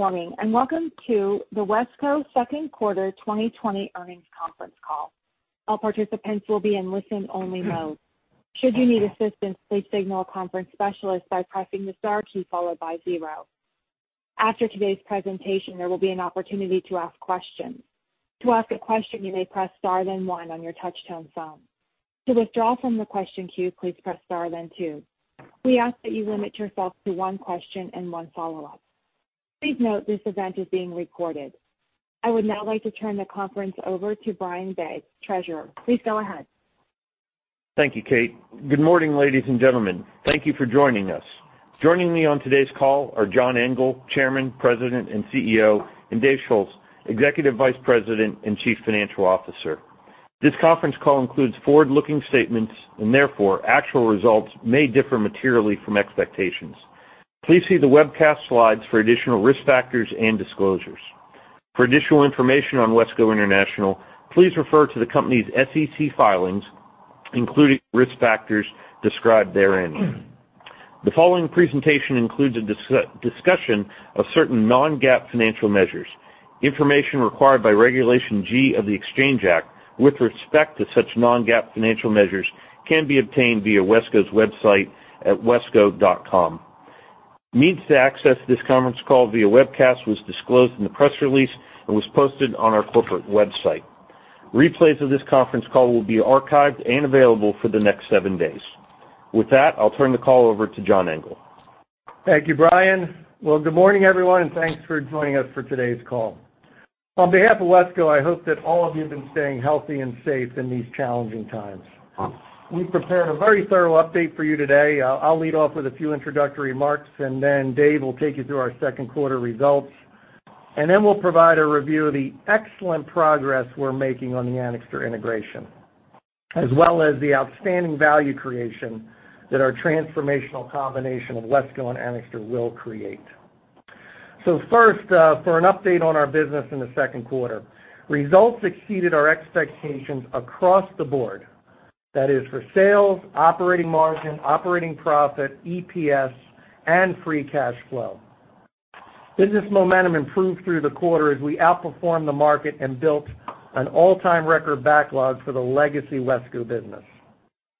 Good morning, welcome to the WESCO second quarter 2020 earnings conference call. All participants will be in listen only mode. Should you need assistance, please signal a conference specialist by pressing the star key followed by zero. After today's presentation, there will be an opportunity to ask questions. To ask a question, you may press star then one on your touchtone phone. To withdraw from the question queue, please press star then two. We ask that you limit yourself to one question and one follow-up. Please note this event is being recorded. I would now like to turn the conference over to Brian Begg, Treasurer. Please go ahead. Thank you, Kate. Good morning, ladies and gentlemen. Thank you for joining us. Joining me on today's call are John Engel, Chairman, President, and CEO, and Dave Schulz, Executive Vice President and Chief Financial Officer. This conference call includes forward-looking statements, and therefore, actual results may differ materially from expectations. Please see the webcast slides for additional risk factors and disclosures. For additional information on WESCO International, please refer to the company's SEC filings, including risk factors described therein. The following presentation includes a discussion of certain non-GAAP financial measures. Information required by Regulation G of the Exchange Act with respect to such non-GAAP financial measures can be obtained via WESCO's website at wesco.com. Means to access this conference call via webcast was disclosed in the press release and was posted on our corporate website. Replays of this conference call will be archived and available for the next seven days. With that, I'll turn the call over to John Engel. Thank you, Brian. Good morning, everyone, thanks for joining us for today's call. On behalf of WESCO, I hope that all of you have been staying healthy and safe in these challenging times. We've prepared a very thorough update for you today. I'll lead off with a few introductory remarks, then Dave will take you through our second quarter results. Then we'll provide a review of the excellent progress we're making on the Anixter integration, as well as the outstanding value creation that our transformational combination of WESCO and Anixter will create. First, for an update on our business in the second quarter. Results exceeded our expectations across the board. That is for sales, operating margin, operating profit, EPS, and free cash flow. Business momentum improved through the quarter as we outperformed the market and built an all-time record backlog for the legacy WESCO business.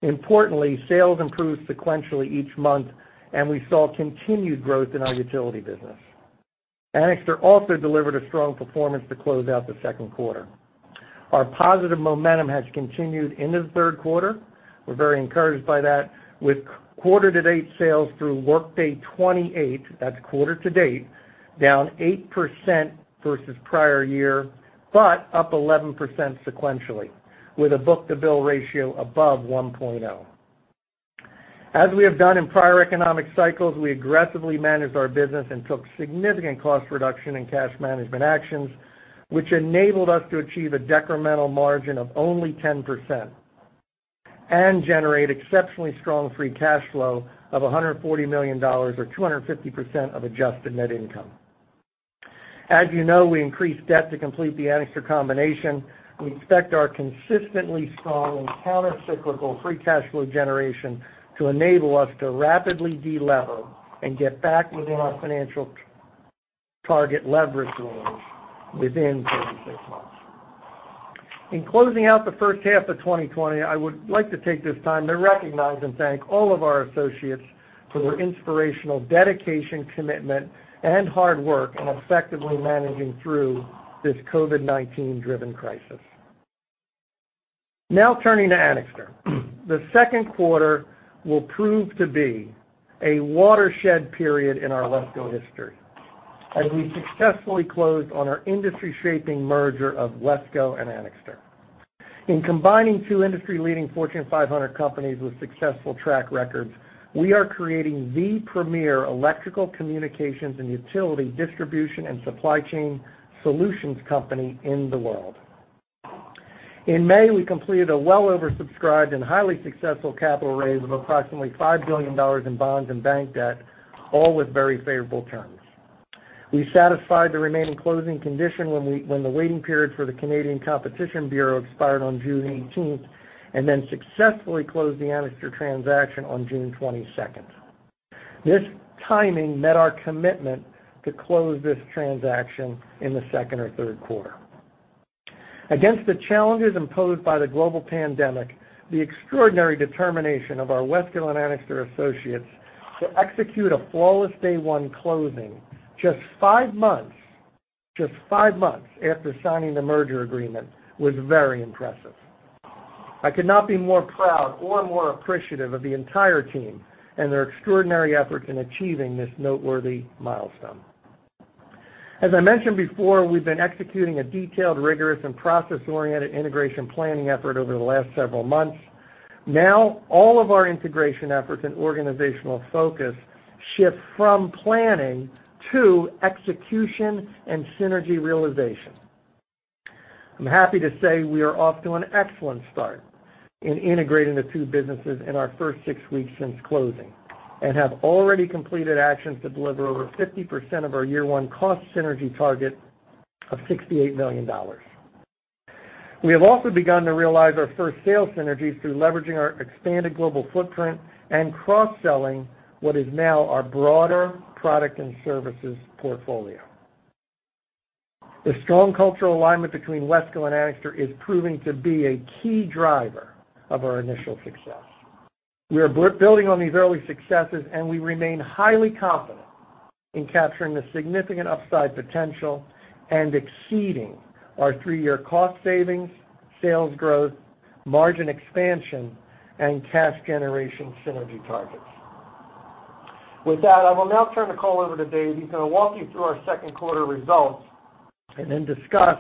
Importantly, sales improved sequentially each month, and we saw continued growth in our utility business. Anixter also delivered a strong performance to close out the second quarter. Our positive momentum has continued into the third quarter. We're very encouraged by that with quarter-to-date sales through workday 28, that's quarter-to-date, down 8% versus prior year, but up 11% sequentially, with a book-to-bill ratio above 1.0. As we have done in prior economic cycles, we aggressively managed our business and took significant cost reduction and cash management actions, which enabled us to achieve a decremental margin of only 10% and generate exceptionally strong free cash flow of $140 million or 250% of adjusted net income. As you know, we increased debt to complete the Anixter combination. We expect our consistently strong and counter-cyclical free cash flow generation to enable us to rapidly de-lever and get back within our financial target leverage range within 36 months. In closing out the first half of 2020, I would like to take this time to recognize and thank all of our associates for their inspirational dedication, commitment, and hard work in effectively managing through this COVID-19 driven crisis. Turning to Anixter. The second quarter will prove to be a watershed period in our WESCO history as we successfully closed on our industry shaping merger of WESCO and Anixter. Combining two industry leading Fortune 500 companies with successful track records, we are creating the premier electrical communications and utility distribution and supply chain solutions company in the world. In May, we completed a well oversubscribed and highly successful capital raise of approximately $5 billion in bonds and bank debt, all with very favorable terms. We satisfied the remaining closing condition when the waiting period for the Competition Bureau Canada expired on June 18th, and then successfully closed the Anixter transaction on June 22nd. This timing met our commitment to close this transaction in the second or third quarter. Against the challenges imposed by the global pandemic, the extraordinary determination of our WESCO and Anixter associates to execute a flawless day one closing just five months after signing the merger agreement was very impressive. I could not be more proud or more appreciative of the entire team and their extraordinary effort in achieving this noteworthy milestone. As I mentioned before, we've been executing a detailed, rigorous, and process-oriented integration planning effort over the last several months. Now, all of our integration efforts and organizational focus shift from planning to execution and synergy realization. I'm happy to say we are off to an excellent start in integrating the two businesses in our first six weeks since closing and have already completed actions to deliver over 50% of our year one cost synergy target of $68 million. We have also begun to realize our first sales synergies through leveraging our expanded global footprint and cross-selling what is now our broader product and services portfolio. The strong cultural alignment between WESCO and Anixter is proving to be a key driver of our initial success. We are building on these early successes, and we remain highly confident in capturing the significant upside potential and exceeding our three-year cost savings, sales growth, margin expansion, and cash generation synergy targets. With that, I will now turn the call over to Dave, who's going to walk you through our second quarter results and then discuss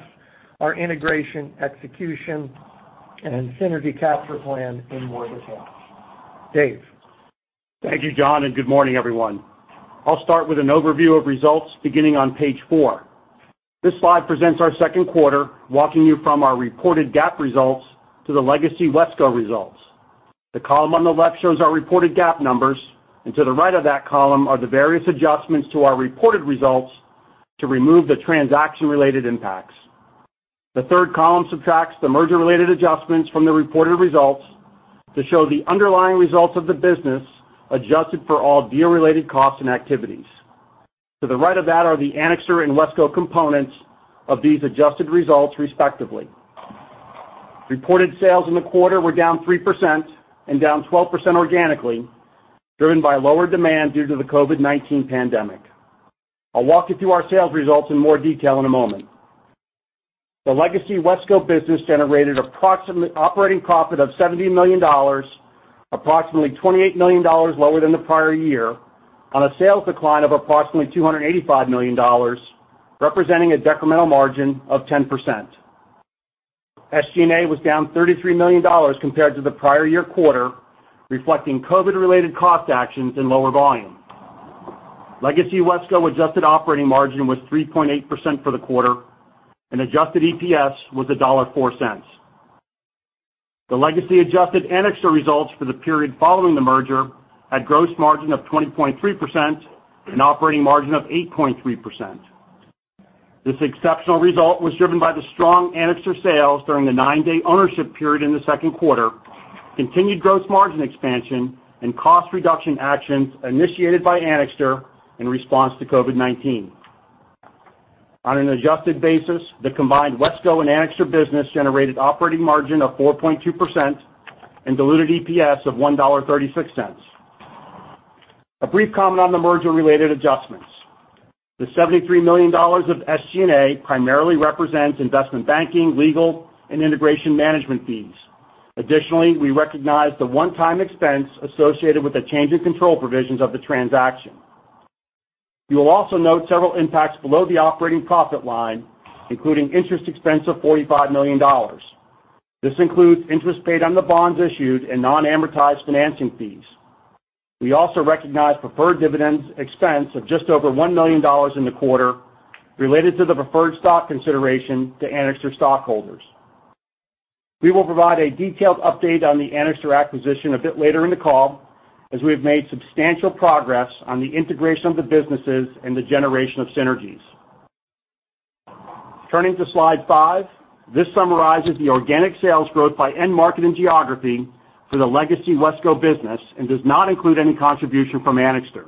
our integration, execution, and synergy capture plan in more detail. Dave? Thank you, John, and good morning, everyone. I'll start with an overview of results beginning on page four. This slide presents our second quarter, walking you from our reported GAAP results to the legacy WESCO results. The column on the left shows our reported GAAP numbers, and to the right of that column are the various adjustments to our reported results to remove the transaction-related impacts. The third column subtracts the merger-related adjustments from the reported results to show the underlying results of the business adjusted for all deal related costs and activities. To the right of that are the Anixter and WESCO components of these adjusted results, respectively. Reported sales in the quarter were down 3% and down 12% organically, driven by lower demand due to the COVID-19 pandemic. I'll walk you through our sales results in more detail in a moment. The legacy WESCO business generated approximately operating profit of $70 million, approximately $28 million lower than the prior year on a sales decline of approximately $285 million, representing a decremental margin of 10%. SG&A was down $33 million compared to the prior year quarter, reflecting COVID-19 related cost actions and lower volume. Legacy WESCO adjusted operating margin was 3.8% for the quarter and adjusted EPS was $1.04. The legacy adjusted Anixter results for the period following the merger had gross margin of 20.3% and operating margin of 8.3%. This exceptional result was driven by the strong Anixter sales during the nine-day ownership period in the second quarter, continued gross margin expansion, and cost reduction actions initiated by Anixter in response to COVID-19. On an adjusted basis, the combined WESCO and Anixter business generated operating margin of 4.2% and diluted EPS of $1.36. A brief comment on the merger-related adjustments. The $73 million of SG&A primarily represents investment banking, legal, and integration management fees. Additionally, we recognize the one-time expense associated with the change in control provisions of the transaction. You will also note several impacts below the operating profit line, including interest expense of $45 million. This includes interest paid on the bonds issued and non-amortized financing fees. We also recognize preferred dividends expense of just over $1 million in the quarter related to the preferred stock consideration to Anixter stockholders. We will provide a detailed update on the Anixter acquisition a bit later in the call as we have made substantial progress on the integration of the businesses and the generation of synergies. Turning to slide five, this summarizes the organic sales growth by end market and geography for the legacy WESCO business and does not include any contribution from Anixter.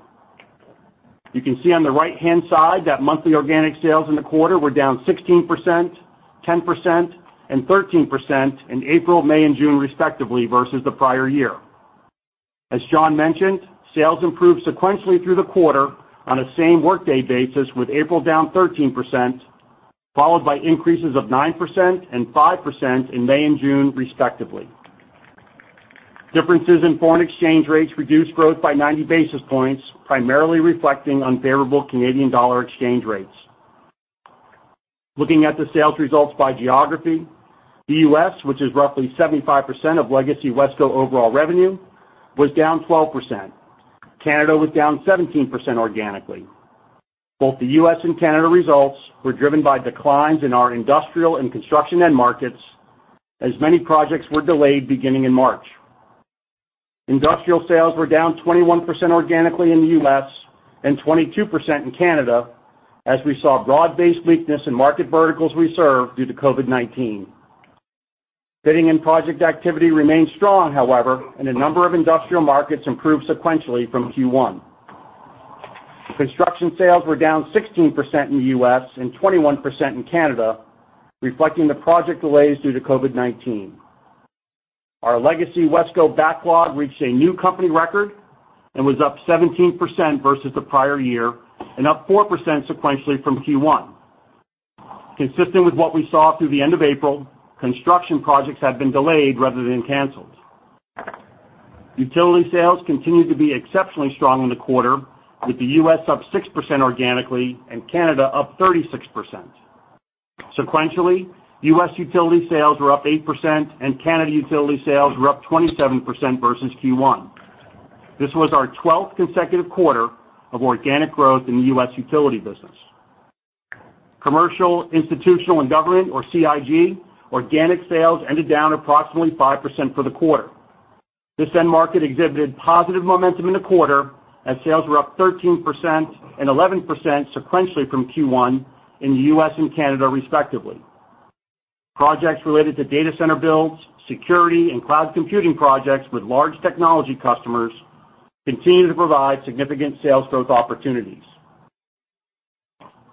You can see on the right-hand side that monthly organic sales in the quarter were down 16%, 10%, and 13% in April, May, and June, respectively, versus the prior year. As John mentioned, sales improved sequentially through the quarter on a same workday basis, with April down 13%, followed by increases of 9% and 5% in May and June, respectively. Differences in foreign exchange rates reduced growth by 90 basis points, primarily reflecting unfavorable Canadian dollar exchange rates. Looking at the sales results by geography, the U.S., which is roughly 75% of legacy WESCO overall revenue, was down 12%. Canada was down 17% organically. Both the U.S. and Canada results were driven by declines in our industrial and construction end markets as many projects were delayed beginning in March. Industrial sales were down 21% organically in the U.S. and 22% in Canada as we saw broad-based weakness in market verticals we serve due to COVID-19. Bidding and project activity remained strong, however, and a number of industrial markets improved sequentially from Q1. Construction sales were down 16% in the U.S. and 21% in Canada, reflecting the project delays due to COVID-19. Our legacy WESCO backlog reached a new company record and was up 17% versus the prior year and up 4% sequentially from Q1. Consistent with what we saw through the end of April, construction projects have been delayed rather than canceled. Utility sales continued to be exceptionally strong in the quarter, with the U.S. up 6% organically and Canada up 36%. Sequentially, U.S. utility sales were up 8% and Canada utility sales were up 27% versus Q1. This was our 12th consecutive quarter of organic growth in the U.S. utility business. Commercial, institutional, and government, or CIG, organic sales ended down approximately 5% for the quarter. This end market exhibited positive momentum in the quarter, as sales were up 13% and 11% sequentially from Q1 in the U.S. and Canada, respectively. Projects related to data center builds, security, and cloud computing projects with large technology customers continue to provide significant sales growth opportunities.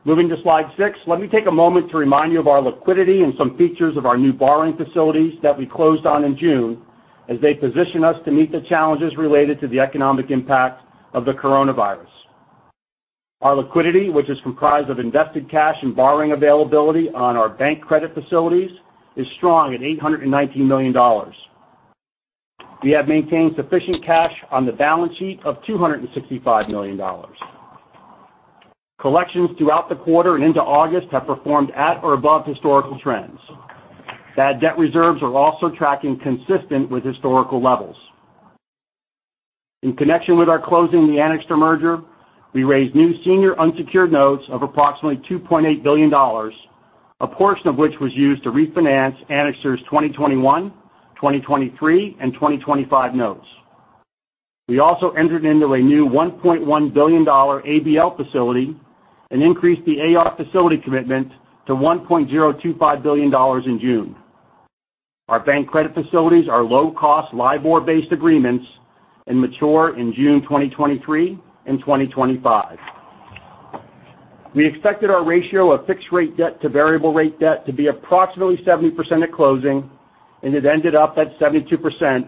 Moving to slide six, let me take a moment to remind you of our liquidity and some features of our new borrowing facilities that we closed on in June as they position us to meet the challenges related to the economic impact of the coronavirus. Our liquidity, which is comprised of invested cash and borrowing availability on our bank credit facilities, is strong at $819 million. We have maintained sufficient cash on the balance sheet of $265 million. Collections throughout the quarter and into August have performed at or above historical trends. Bad debt reserves are also tracking consistent with historical levels. In connection with our closing the Anixter merger, we raised new senior unsecured notes of approximately $2.8 billion, a portion of which was used to refinance Anixter's 2021, 2023, and 2025 notes. We also entered into a new $1.1 billion ABL facility and increased the AR facility commitment to $1.025 billion in June. Our bank credit facilities are low-cost LIBOR-based agreements and mature in June 2023 and 2025. We expected our ratio of fixed-rate debt to variable-rate debt to be approximately 70% at closing, and it ended up at 72%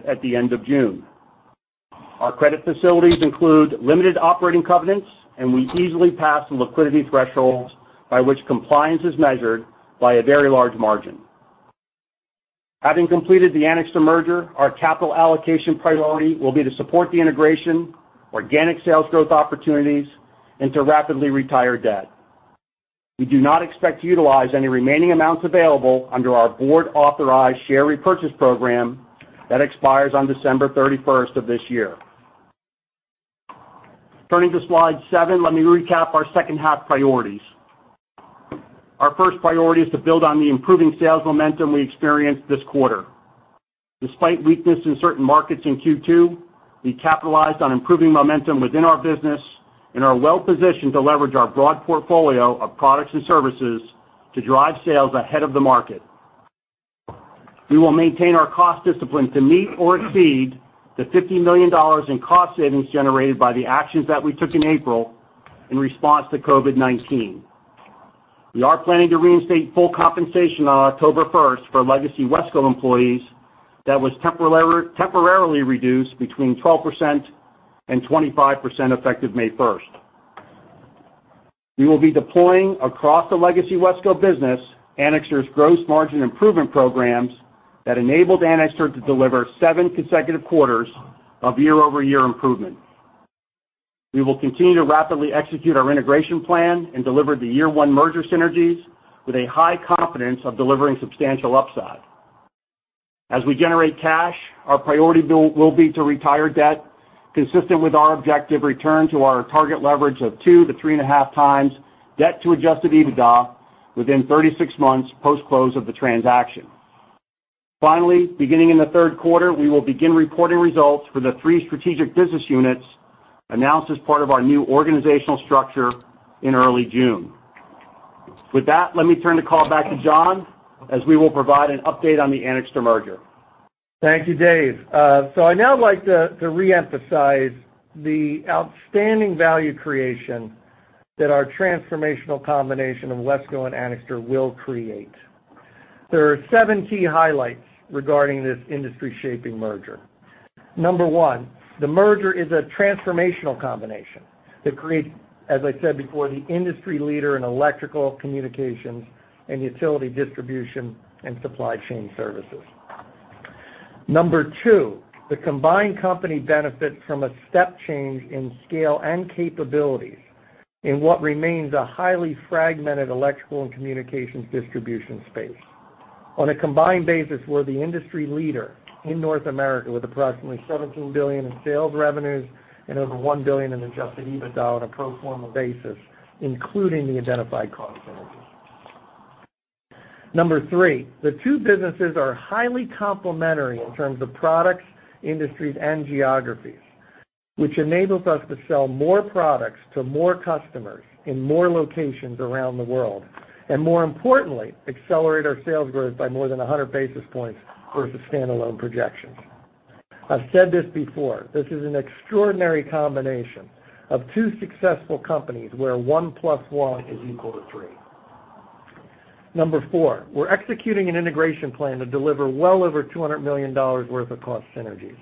at the end of June. Our credit facilities include limited operating covenants. We easily pass the liquidity thresholds by which compliance is measured by a very large margin. Having completed the Anixter merger, our capital allocation priority will be to support the integration, organic sales growth opportunities, and to rapidly retire debt. We do not expect to utilize any remaining amounts available under our board-authorized share repurchase program that expires on December 31st of this year. Turning to slide seven, let me recap our second-half priorities. Our first priority is to build on the improving sales momentum we experienced this quarter. Despite weakness in certain markets in Q2, we capitalized on improving momentum within our business and are well positioned to leverage our broad portfolio of products and services to drive sales ahead of the market. We will maintain our cost discipline to meet or exceed the $50 million in cost savings generated by the actions that we took in April in response to COVID-19. We are planning to reinstate full compensation on October 1st for legacy WESCO employees that was temporarily reduced between 12% and 25% effective May 1st. We will be deploying across the legacy WESCO business Anixter's gross margin improvement programs that enabled Anixter to deliver seven consecutive quarters of year-over-year improvement. We will continue to rapidly execute our integration plan and deliver the year one merger synergies with a high confidence of delivering substantial upside. As we generate cash, our priority will be to retire debt consistent with our objective return to our target leverage of two to 3.5x debt to adjusted EBITDA within 36 months post-close of the transaction. Finally, beginning in the third quarter, we will begin reporting results for the three strategic business units announced as part of our new organizational structure in early June. With that, let me turn the call back to John, as we will provide an update on the Anixter merger. Thank you, Dave. I now like to reemphasize the outstanding value creation that our transformational combination of WESCO and Anixter will create. There are seven key highlights regarding this industry-shaping merger. Number one, the merger is a transformational combination that creates, as I said before, the industry leader in electrical communications and utility distribution and supply chain services. Number two, the combined company benefits from a step change in scale and capabilities in what remains a highly fragmented electrical and communications distribution space. On a combined basis, we're the industry leader in North America with approximately $17 billion in sales revenues and over $1 billion in adjusted EBITDA on a pro forma basis, including the identified cost synergies. Number three, the two businesses are highly complementary in terms of products, industries, and geographies, which enables us to sell more products to more customers in more locations around the world, and more importantly, accelerate our sales growth by more than 100 basis points versus stand-alone projections. I've said this before, this is an extraordinary combination of two successful companies where one plus one is equal to three. Number four, we're executing an integration plan to deliver well over $200 million worth of cost synergies.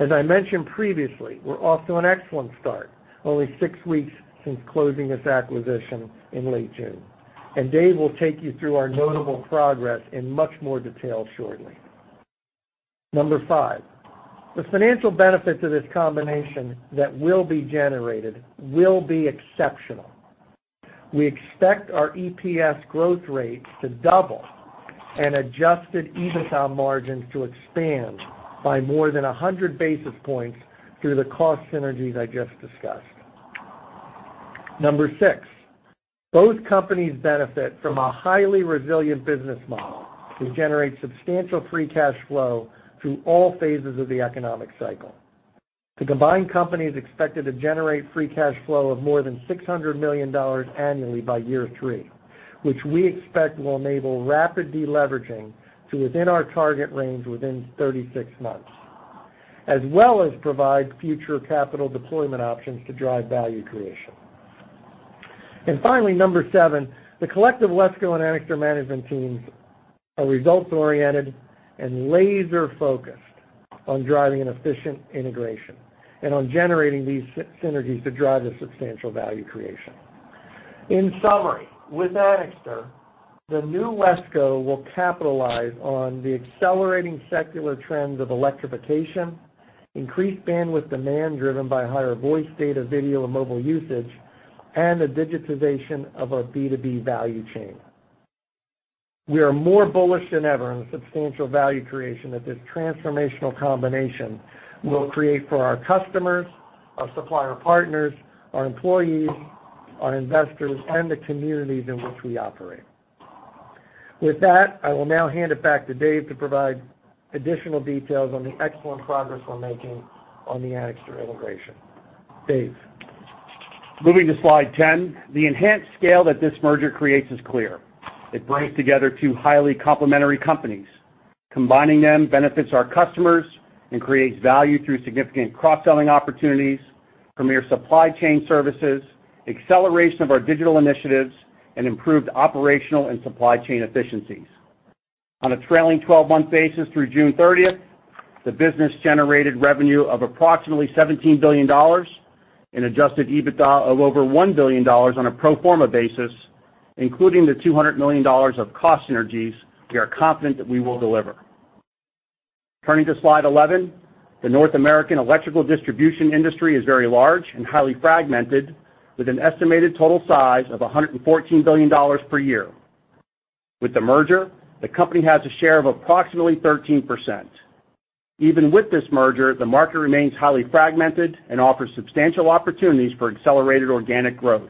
As I mentioned previously, we're off to an excellent start, only six weeks since closing this acquisition in late June. Dave will take you through our notable progress in much more detail shortly. Number five, the financial benefits of this combination that will be generated will be exceptional. We expect our EPS growth rate to double and adjusted EBITDA margins to expand by more than 100 basis points through the cost synergies I just discussed. Number six, both companies benefit from a highly resilient business model that generates substantial free cash flow through all phases of the economic cycle. The combined company is expected to generate free cash flow of more than $600 million annually by year three, which we expect will enable rapid deleveraging to within our target range within 36 months, as well as provide future capital deployment options to drive value creation. Finally, number seven, the collective WESCO and Anixter management teams are results-oriented and laser-focused on driving an efficient integration and on generating these synergies to drive a substantial value creation. In summary, with Anixter, the new WESCO will capitalize on the accelerating secular trends of electrification, increased bandwidth demand driven by higher voice data, video, and mobile usage, and the digitization of our B2B value chain. We are more bullish than ever on the substantial value creation that this transformational combination will create for our customers, our supplier partners, our employees, our investors, and the communities in which we operate. With that, I will now hand it back to Dave to provide additional details on the excellent progress we're making on the Anixter integration. Dave? Moving to slide 10, the enhanced scale that this merger creates is clear. It brings together two highly complementary companies. Combining them benefits our customers and creates value through significant cross-selling opportunities, premier supply chain services, acceleration of our digital initiatives, and improved operational and supply chain efficiencies. On a trailing 12-month basis through June 30th, the business generated revenue of approximately $17 billion, and adjusted EBITDA of over $1 billion on a pro forma basis, including the $200 million of cost synergies we are confident that we will deliver. Turning to slide 11, the North American electrical distribution industry is very large and highly fragmented, with an estimated total size of $114 billion per year. With the merger, the company has a share of approximately 13%. Even with this merger, the market remains highly fragmented and offers substantial opportunities for accelerated organic growth.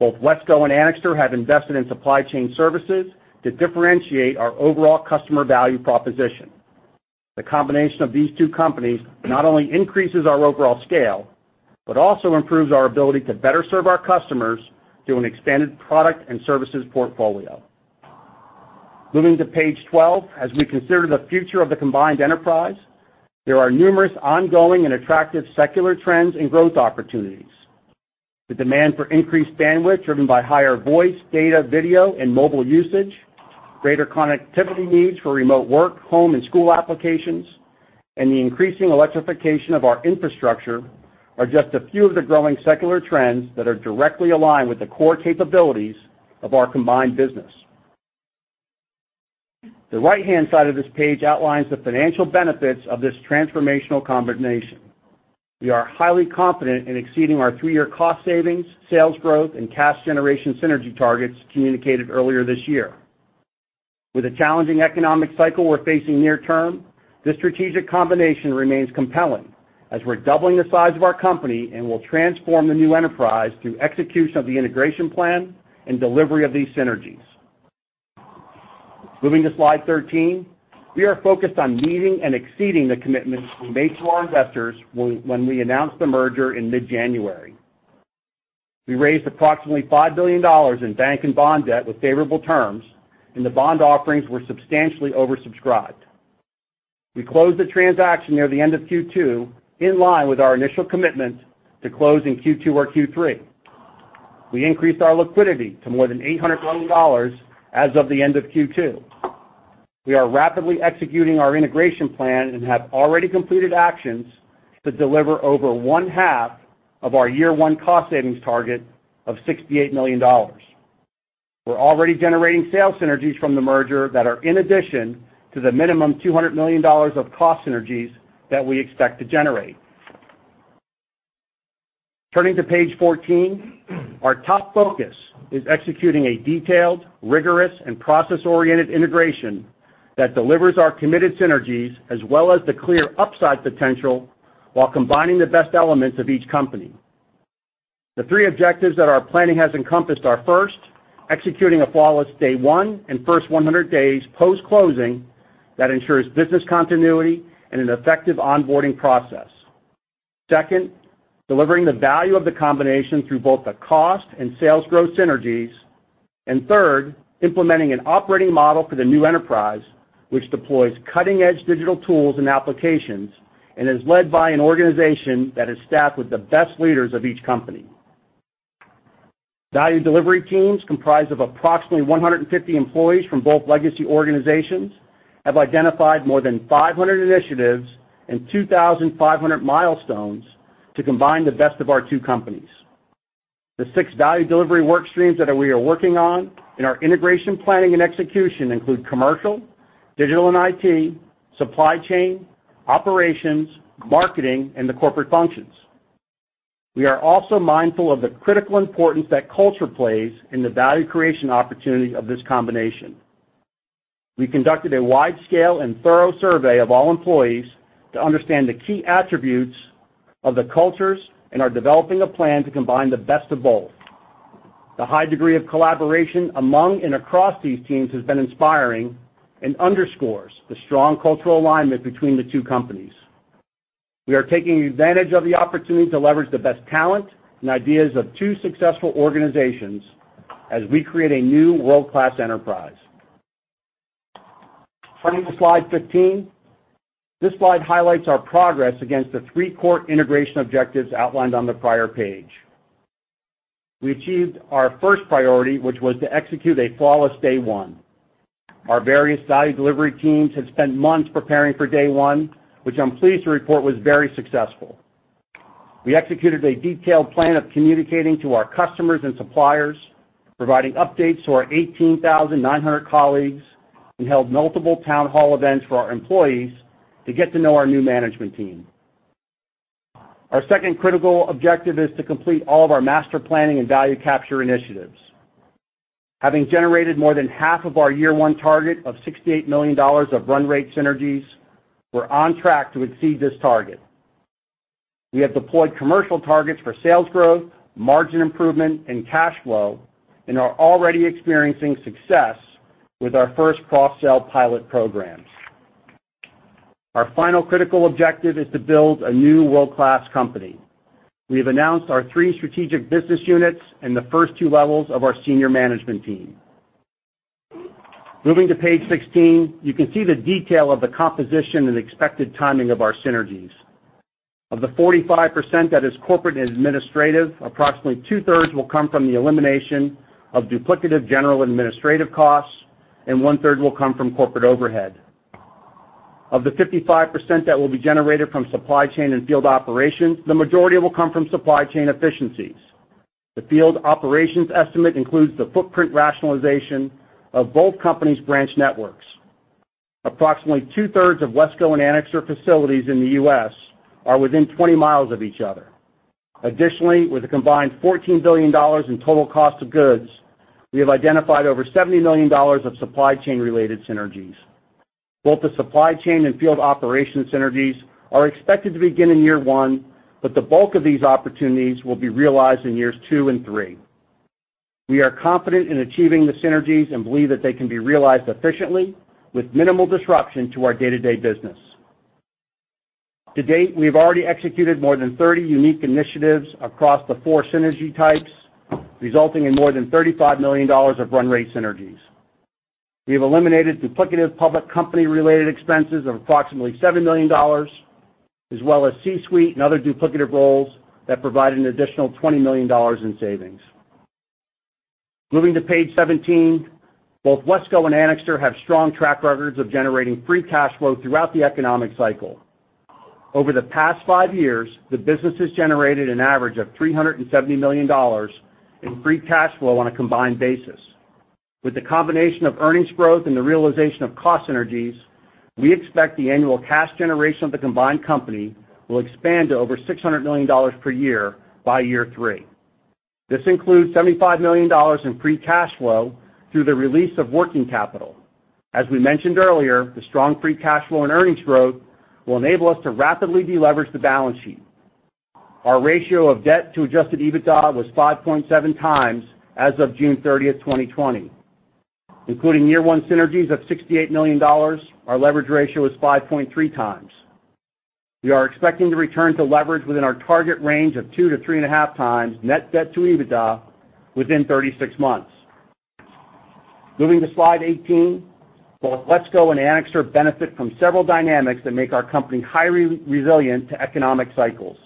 Both WESCO and Anixter have invested in supply chain services to differentiate our overall customer value proposition. The combination of these two companies not only increases our overall scale, but also improves our ability to better serve our customers through an expanded product and services portfolio. Moving to page 12. As we consider the future of the combined enterprise, there are numerous ongoing and attractive secular trends and growth opportunities. The demand for increased bandwidth driven by higher voice, data, video, and mobile usage, greater connectivity needs for remote work, home, and school applications, and the increasing electrification of our infrastructure are just a few of the growing secular trends that are directly aligned with the core capabilities of our combined business. The right-hand side of this page outlines the financial benefits of this transformational combination. We are highly confident in exceeding our three-year cost savings, sales growth, and cash generation synergy targets communicated earlier this year. With the challenging economic cycle we're facing near term, this strategic combination remains compelling, as we're doubling the size of our company and will transform the new enterprise through execution of the integration plan and delivery of these synergies. Moving to slide 13. We are focused on meeting and exceeding the commitments we made to our investors when we announced the merger in mid-January. We raised approximately $5 billion in bank and bond debt with favorable terms, and the bond offerings were substantially oversubscribed. We closed the transaction near the end of Q2, in line with our initial commitment to close in Q2 or Q3. We increased our liquidity to more than $800 million as of the end of Q2. We are rapidly executing our integration plan and have already completed actions to deliver over one-half of our year one cost savings target of $68 million. We're already generating sales synergies from the merger that are in addition to the minimum $200 million of cost synergies that we expect to generate. Turning to page 14. Our top focus is executing a detailed, rigorous, and process-oriented integration that delivers our committed synergies as well as the clear upside potential while combining the best elements of each company. The three objectives that our planning has encompassed are, first, executing a flawless day one and first 100 days post-closing that ensures business continuity and an effective onboarding process. Second, delivering the value of the combination through both the cost and sales growth synergies. Third, implementing an operating model for the new enterprise, which deploys cutting-edge digital tools and applications and is led by an organization that is staffed with the best leaders of each company. Value delivery teams comprised of approximately 150 employees from both legacy organizations have identified more than 500 initiatives and 2,500 milestones to combine the best of our two companies. The six value delivery work streams that we are working on in our integration planning and execution include commercial, digital and IT, supply chain, operations, marketing, and the corporate functions. We are also mindful of the critical importance that culture plays in the value creation opportunity of this combination. We conducted a wide-scale and thorough survey of all employees to understand the key attributes of the cultures, and are developing a plan to combine the best of both. The high degree of collaboration among and across these teams has been inspiring and underscores the strong cultural alignment between the two companies. We are taking advantage of the opportunity to leverage the best talent and ideas of two successful organizations as we create a new world-class enterprise. Turning to slide 15. This slide highlights our progress against the three core integration objectives outlined on the prior page. We achieved our first priority, which was to execute a flawless day one. Our various value delivery teams have spent months preparing for day one, which I'm pleased to report was very successful. We executed a detailed plan of communicating to our customers and suppliers, providing updates to our 18,900 colleagues, and held multiple town hall events for our employees to get to know our new management team. Our second critical objective is to complete all of our master planning and value capture initiatives. Having generated more than half of our year one target of $68 million of run rate synergies, we're on track to exceed this target. We have deployed commercial targets for sales growth, margin improvement, and cash flow, and are already experiencing success with our first cross-sell pilot programs. Our final critical objective is to build a new world-class company. We have announced our three strategic business units and the first two levels of our senior management team. Moving to page 16, you can see the detail of the composition and expected timing of our synergies. Of the 45% that is corporate and administrative, approximately two-thirds will come from the elimination of duplicative general administrative costs, and one-third will come from corporate overhead. Of the 55% that will be generated from supply chain and field operations, the majority will come from supply chain efficiencies. The field operations estimate includes the footprint rationalization of both companies' branch networks. Approximately two-thirds of WESCO and Anixter facilities in the U.S. are within 20 miles of each other. Additionally, with a combined $14 billion in total cost of goods, we have identified over $70 million of supply chain-related synergies. Both the supply chain and field operations synergies are expected to begin in year one, but the bulk of these opportunities will be realized in years two and three. We are confident in achieving the synergies and believe that they can be realized efficiently with minimal disruption to our day-to-day business. To date, we've already executed more than 30 unique initiatives across the four synergy types, resulting in more than $35 million of run rate synergies. We have eliminated duplicative public company-related expenses of approximately $7 million, as well as C-suite and other duplicative roles that provide an additional $20 million in savings. Moving to page 17. Both WESCO and Anixter have strong track records of generating free cash flow throughout the economic cycle. Over the past five years, the businesses generated an average of $370 million in free cash flow on a combined basis. With the combination of earnings growth and the realization of cost synergies, we expect the annual cash generation of the combined company will expand to over $600 million per year by year three. This includes $75 million in free cash flow through the release of working capital. As we mentioned earlier, the strong free cash flow and earnings growth will enable us to rapidly deleverage the balance sheet. Our ratio of debt to adjusted EBITDA was 5.7x as of June 30th, 2020. Including year one synergies of $68 million, our leverage ratio is 5.3x. We are expecting to return to leverage within our target range of two to three and a half times net debt to EBITDA within 36 months. Moving to slide 18. Both WESCO and Anixter benefit from several dynamics that make our company highly resilient to economic cycles.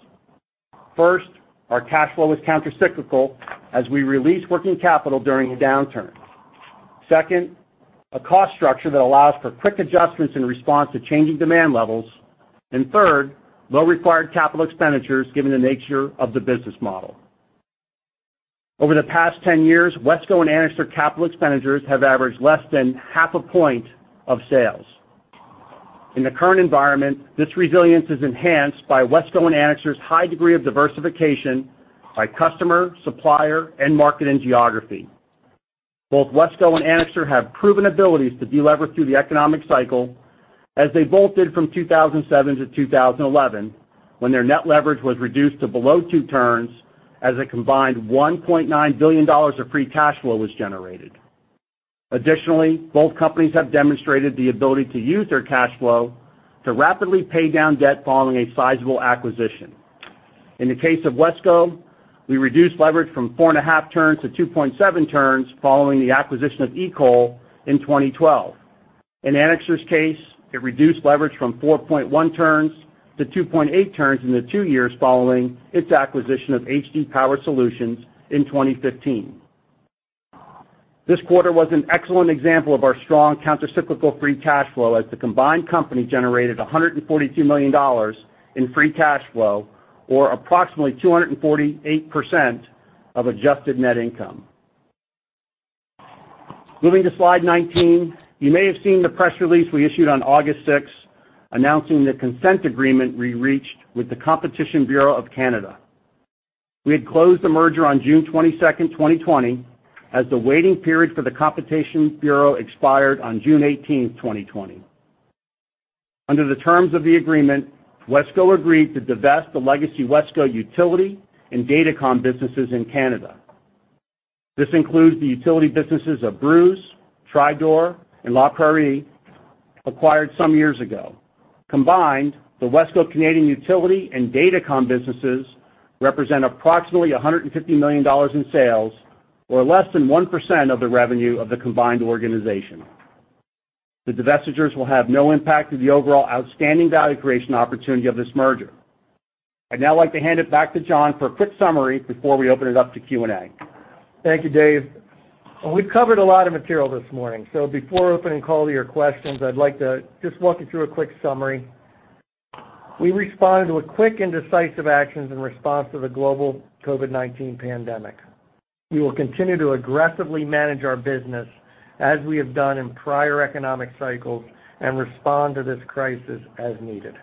First, our cash flow is countercyclical as we release working capital during a downturn. Second, a cost structure that allows for quick adjustments in response to changing demand levels. Third, low required capital expenditures given the nature of the business model. Over the past 10 years, WESCO and Anixter capital expenditures have averaged less than half a point of sales. In the current environment, this resilience is enhanced by WESCO and Anixter's high degree of diversification by customer, supplier, end market, and geography. Both WESCO and Anixter have proven abilities to delever through the economic cycle, as they both did from 2007 to 2011, when their net leverage was reduced to below two turns as a combined $1.9 billion of free cash flow was generated. Additionally, both companies have demonstrated the ability to use their cash flow to rapidly pay down debt following a sizable acquisition. In the case of WESCO, we reduced leverage from four and a half turns to 2.7 turns following the acquisition of EECOL in 2012. In Anixter's case, it reduced leverage from 4.1 turns to 2.8 turns in the two years following its acquisition of HD Supply Power Solutions in 2015. This quarter was an excellent example of our strong countercyclical free cash flow, as the combined company generated $142 million in free cash flow, or approximately 248% of adjusted net income. Moving to slide 19. You may have seen the press release we issued on August 6th announcing the consent agreement we reached with the Competition Bureau of Canada. We had closed the merger on June 22, 2020, as the waiting period for the Competition Bureau expired on June 18, 2020. Under the terms of the agreement, WESCO agreed to divest the legacy WESCO utility and datacom businesses in Canada. This includes the utility businesses of Brews Supply, Trydor Industries, and LaPrairie, Inc., acquired some years ago. Combined, the WESCO Canadian utility and datacom businesses represent approximately $150 million in sales or less than 1% of the revenue of the combined organization. The divestitures will have no impact to the overall outstanding value creation opportunity of this merger. I'd now like to hand it back to John for a quick summary before we open it up to Q&A. Thank you, Dave. We've covered a lot of material this morning, so before opening call to your questions, I'd like to just walk you through a quick summary. We responded with quick and decisive actions in response to the global COVID-19 pandemic. We will continue to aggressively manage our business as we have done in prior economic cycles and respond to this crisis as needed.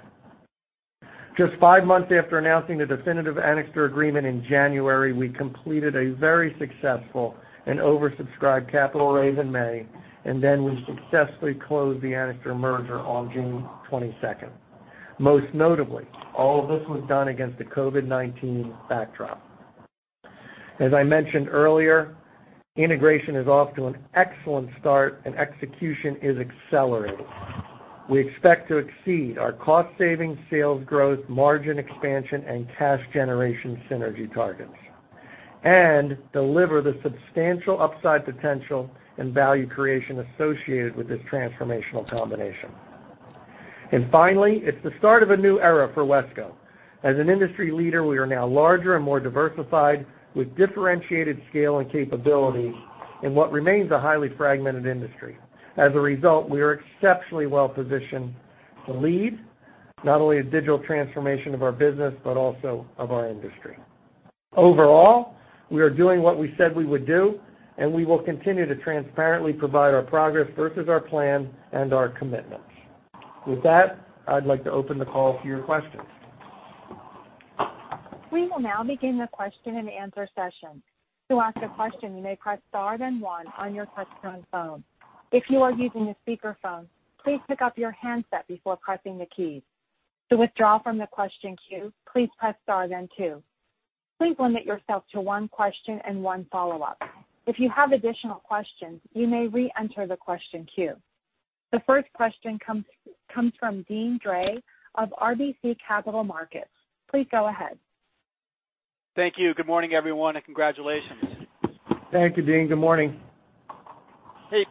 Just five months after announcing the definitive Anixter agreement in January, we completed a very successful and oversubscribed capital raise in May, and then we successfully closed the Anixter merger on June 22nd. Most notably, all of this was done against the COVID-19 backdrop. As I mentioned earlier, integration is off to an excellent start, and execution is accelerating. We expect to exceed our cost savings, sales growth, margin expansion, and cash generation synergy targets and deliver the substantial upside potential and value creation associated with this transformational combination. Finally, it's the start of a new era for WESCO. As an industry leader, we are now larger and more diversified, with differentiated scale and capability in what remains a highly fragmented industry. As a result, we are exceptionally well positioned to lead not only the digital transformation of our business, but also of our industry. Overall, we are doing what we said we would do, and we will continue to transparently provide our progress versus our plan and our commitments. With that, I'd like to open the call to your questions. We will now begin the question and answer session. To ask a question, you may press star then one on your touch-tone phone. If you are using a speakerphone, please pick up your handset before pressing the keys. To withdraw from the question queue, please press star then two. Please limit yourself to one question and one follow-up. If you have additional questions, you may reenter the question queue. The first question comes from Deane Dray of RBC Capital Markets. Please go ahead. Thank you. Good morning, everyone, and congratulations. Thank you, Deane. Good morning. Hey,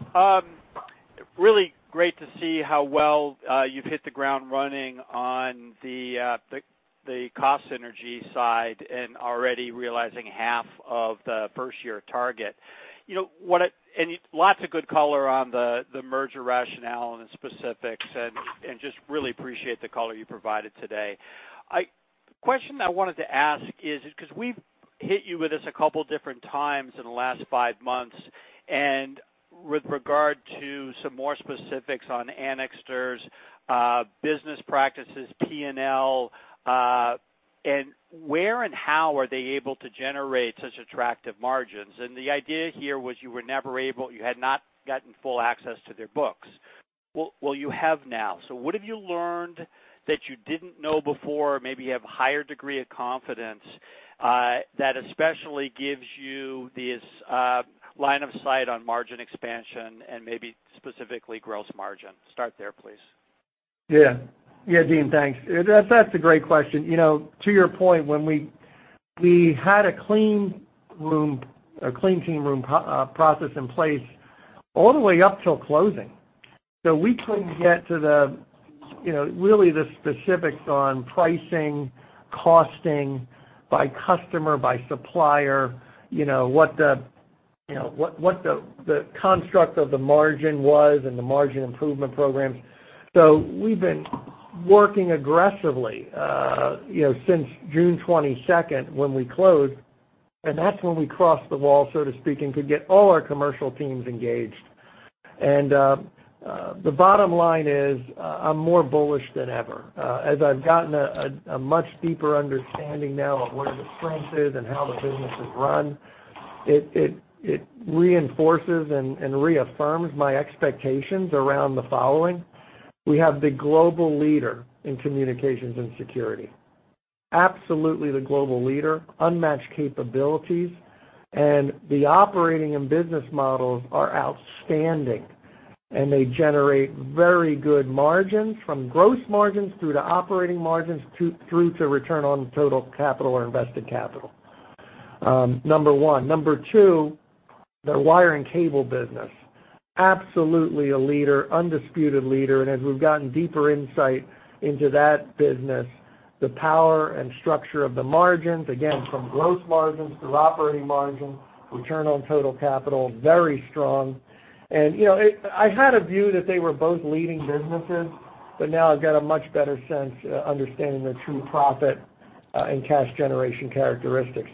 really great to see how well you've hit the ground running on the cost synergy side and already realizing half of the first-year target. Lots of good color on the merger rationale and the specifics and just really appreciate the color you provided today. Question I wanted to ask is, because we've hit you with this a couple different times in the last five months, with regard to some more specifics on Anixter's business practices, P&L, and where and how are they able to generate such attractive margins? The idea here was you had not gotten full access to their books. Well, you have now. What have you learned that you didn't know before? Maybe you have a higher degree of confidence that especially gives you this line of sight on margin expansion and maybe specifically gross margin. Start there, please. Yeah. Yeah, Deane, thanks. That's a great question. To your point, we had a clean team room process in place all the way up till closing. We couldn't get to the really the specifics on pricing, costing by customer, by supplier, what the construct of the margin was and the margin improvement programs. We've been working aggressively since June 22nd when we closed, and that's when we crossed the wall, so to speak, and could get all our commercial teams engaged. The bottom line is, I'm more bullish than ever. As I've gotten a much deeper understanding now of where the strength is and how the business is run, it reinforces and reaffirms my expectations around the following. We have the global leader in Communications and Security. Absolutely the global leader, unmatched capabilities, and the operating and business models are outstanding, and they generate very good margins from gross margins through to operating margins through to return on total capital or invested capital. Number one. Number two, their wire and cable business. Absolutely a leader, undisputed leader, and as we've gotten deeper insight into that business, the power and structure of the margins, again, from gross margins through to operating margins, return on total capital, very strong. I had a view that they were both leading businesses, but now I've got a much better sense understanding their true profit and cash generation characteristics.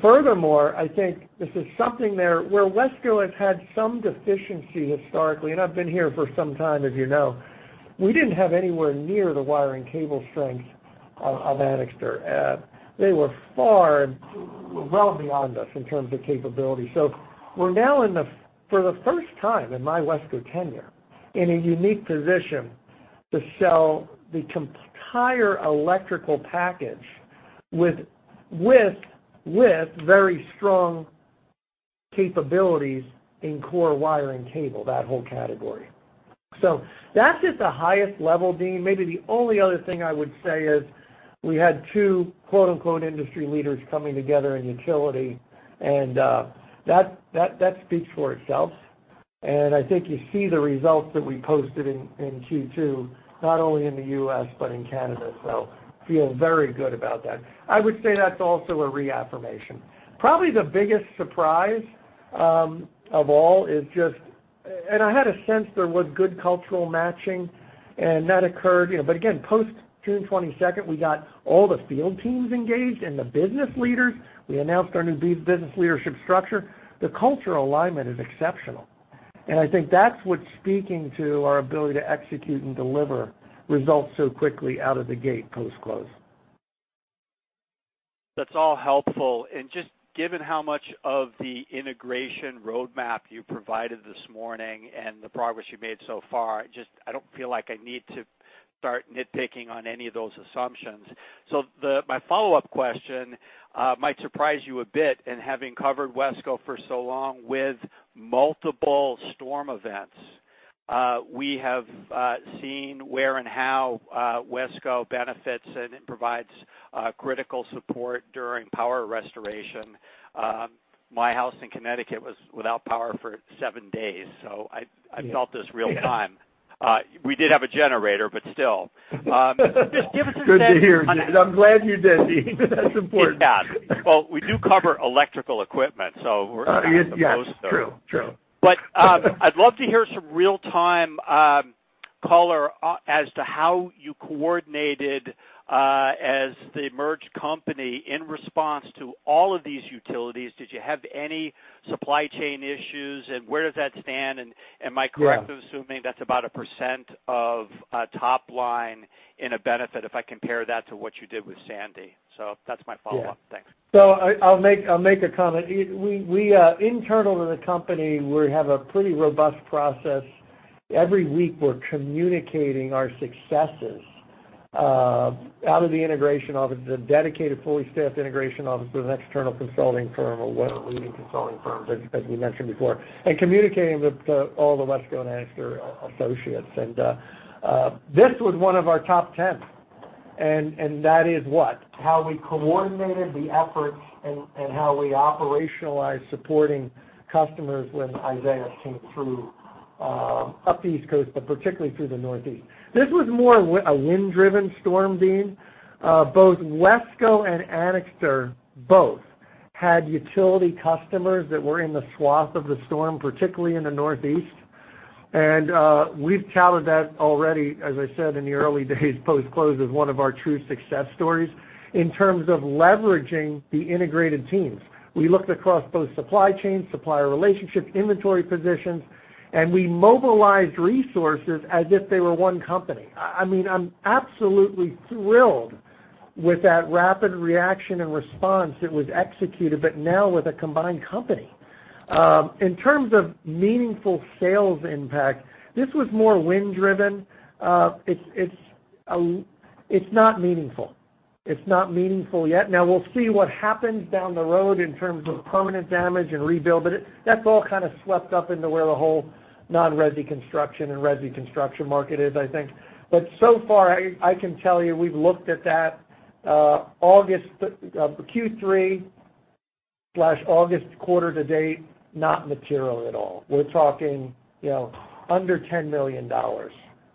Furthermore, I think this is something there where WESCO has had some deficiency historically, and I've been here for some time, as you know. We didn't have anywhere near the wiring cable strength of Anixter. They were far and well beyond us in terms of capability. We're now, for the first time in my WESCO tenure, in a unique position to sell the entire electrical package with very strong capabilities in core wiring cable, that whole category. That's just the highest level, Deane. Maybe the only other thing I would say is we had two "industry leaders" coming together in utility, that speaks for itself. I think you see the results that we posted in Q2, not only in the U.S., but in Canada. Feel very good about that. I would say that's also a reaffirmation. Probably the biggest surprise of all is just I had a sense there was good cultural matching and that occurred. Again, post June 22nd, we got all the field teams engaged and the business leaders. We announced our new business leadership structure. The cultural alignment is exceptional. I think that's what's speaking to our ability to execute and deliver results so quickly out of the gate post-close. That's all helpful. Just given how much of the integration roadmap you provided this morning and the progress you made so far, I don't feel like I need to start nitpicking on any of those assumptions. My follow-up question might surprise you a bit in having covered WESCO for so long with multiple storm events. We have seen where and how WESCO benefits and it provides critical support during power restoration. My house in Connecticut was without power for seven days, so I felt this real time. We did have a generator, but still. Good to hear. I'm glad you did, Deane. That's important. Well, we do cover electrical equipment, so we're kind of the poster. Yes. True. I'd love to hear some real-time color as to how you coordinated as the merged company in response to all of these utilities. Did you have any supply chain issues, and where does that stand? Am I correct? In assuming that's about 1% of top line in a benefit if I compare that to what you did with Sandy? That's my follow-up. Thanks. I'll make a comment. Internal to the company, we have a pretty robust process. Every week, we're communicating our successes out of the integration office, a dedicated, fully staffed integration office with an external consulting firm, one of the leading consulting firms, as we mentioned before, and communicating with all the WESCO and Anixter associates. This was one of our top 10. That is what? How we coordinated the efforts and how we operationalized supporting customers when Isaias came through up the East Coast, but particularly through the Northeast. This was more a wind-driven storm, Deane. Both WESCO and Anixter both had utility customers that were in the swath of the storm, particularly in the Northeast. We've touted that already, as I said, in the early days post-close as one of our true success stories in terms of leveraging the integrated teams. We looked across both supply chains, supplier relationships, inventory positions, and we mobilized resources as if they were one company. I'm absolutely thrilled with that rapid reaction and response that was executed, but now with a combined company. In terms of meaningful sales impact, this was more wind driven. It's not meaningful. It's not meaningful yet. We'll see what happens down the road in terms of permanent damage and rebuild, but that's all kind of swept up into where the whole non-resi construction and resi construction market is, I think. So far, I can tell you, we've looked at that. Q3/August quarter to date, not material at all. We're talking under $10 million